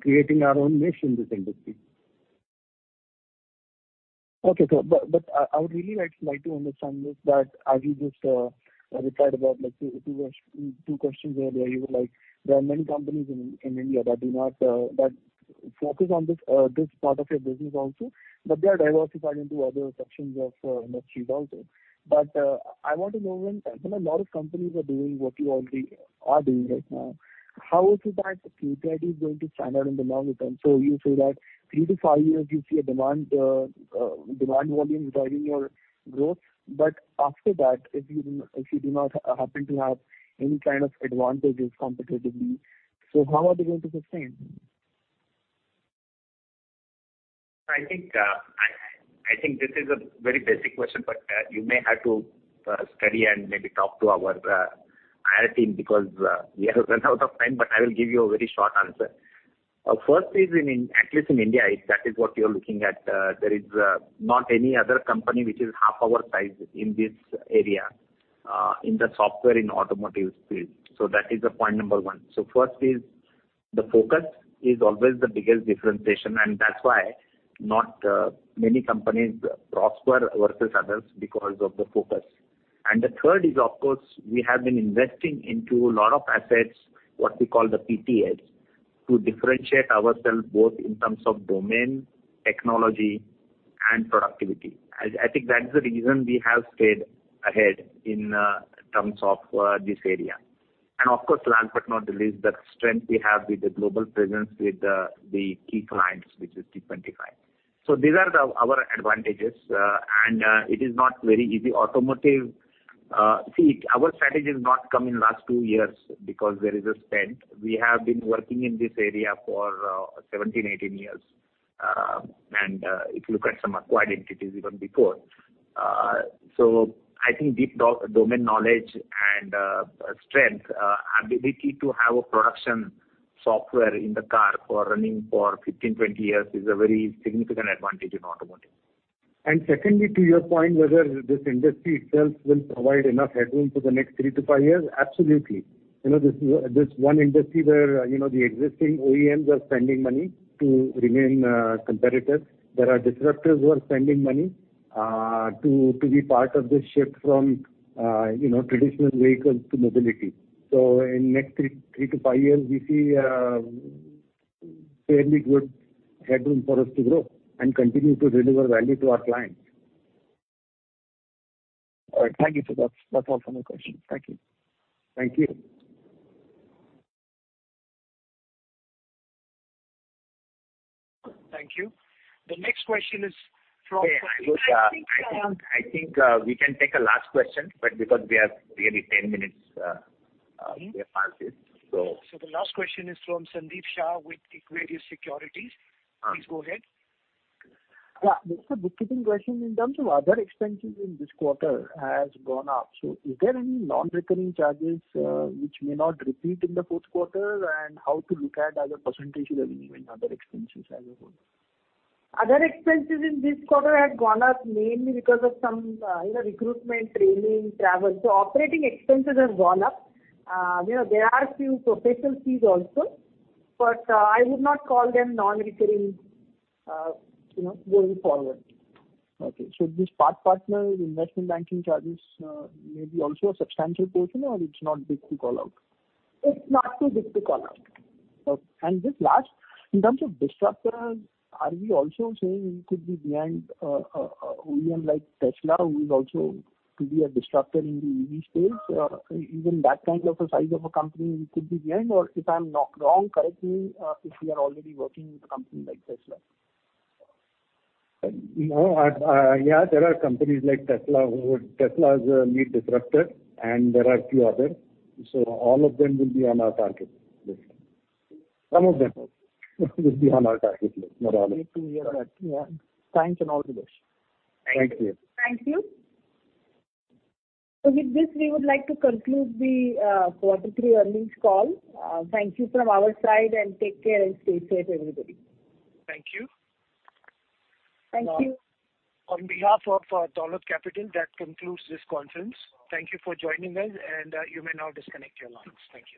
creating our own niche in this industry. Okay, sir. I would really like to understand this, that as you just replied about like two questions earlier, you were like, there are many companies in India that focus on this part of your business also, but they are diversified into other sections of industries also. I want to know when a lot of companies are doing what you already are doing right now, how is it that KPIT is going to stand out in the long term? You say that 3-5 years you see a demand volume driving your growth. After that, if you do not happen to have any kind of advantages competitively, how are they going to sustain? I think this is a very basic question, but you may have to study and maybe talk to our IR team because we have run out of time, but I will give you a very short answer. First is, at least in India, if that is what you're looking at, there is not any other company which is half our size in this area, in the software in automotive space. That is the point number one. First is the focus is always the biggest differentiation, and that's why not many companies prosper versus others because of the focus. The third is of course, we have been investing into lot of assets, what we call the IPs, to differentiate ourselves both in terms of domain, technology and productivity. I think that's the reason we have stayed ahead in terms of this area. Of course, last but not the least, the strength we have with the global presence with the key clients, which is T25. These are our advantages, and it is not very easy. Automotive. See, our strategy has not come in last two years because there is a spend. We have been working in this area for 17, 18 years. If you look at some acquired entities even before. I think deep domain knowledge and strength, ability to have a production software in the car for running for 15, 20 years is a very significant advantage in automotive. Secondly, to your point, whether this industry itself will provide enough headroom for the next three to five years, absolutely. You know, this one industry where, you know, the existing OEMs are spending money to remain competitive. There are disruptors who are spending money to be part of this shift from traditional vehicles to mobility. In next three to five years, we see a fairly good headroom for us to grow and continue to deliver value to our clients. All right. Thank you, Sachin Tikekar. That's all for my questions. Thank you. Thank you. Thank you. The next question is from- Hey, I think we can take a last question, but because we are really 10 minutes, we have passed it. The last question is from Sandeep Shah with Equirus Securities. Please go ahead. Yeah. This is a bookkeeping question. In terms of other expenses in this quarter has gone up. So is there any non-recurring charges, which may not repeat in the fourth quarter? How to look at as a percentage of even other expenses as a whole? Other expenses in this quarter had gone up mainly because of some, you know, recruitment, training, travel. Operating expenses have gone up. You know, there are a few professional fees also, but, I would not call them non-recurring, you know, going forward. This PathPartner investment banking charges may be also a substantial portion or it's not big to call out? It's not too big to call out. Okay. Just last, in terms of disruptors, are we also saying we could be behind OEM like Tesla, who is also to be a disruptor in the EV space? Even that kind of a size of a company we could be behind? Or if I'm not wrong, correct me, if we are already working with a company like Tesla. No, yeah, there are companies like Tesla. Tesla is a leading disruptor, and there are a few others. All of them will be on our target list. Some of them will be on our target list, not all of them. Good to hear that. Yeah. Thanks and all the best. Thank you. Thank you. With this, we would like to conclude the quarter three earnings call. Thank you from our side, and take care and stay safe, everybody. Thank you. Thank you. On behalf of Dolat Capital, that concludes this conference. Thank you for joining us, and you may now disconnect your lines. Thank you.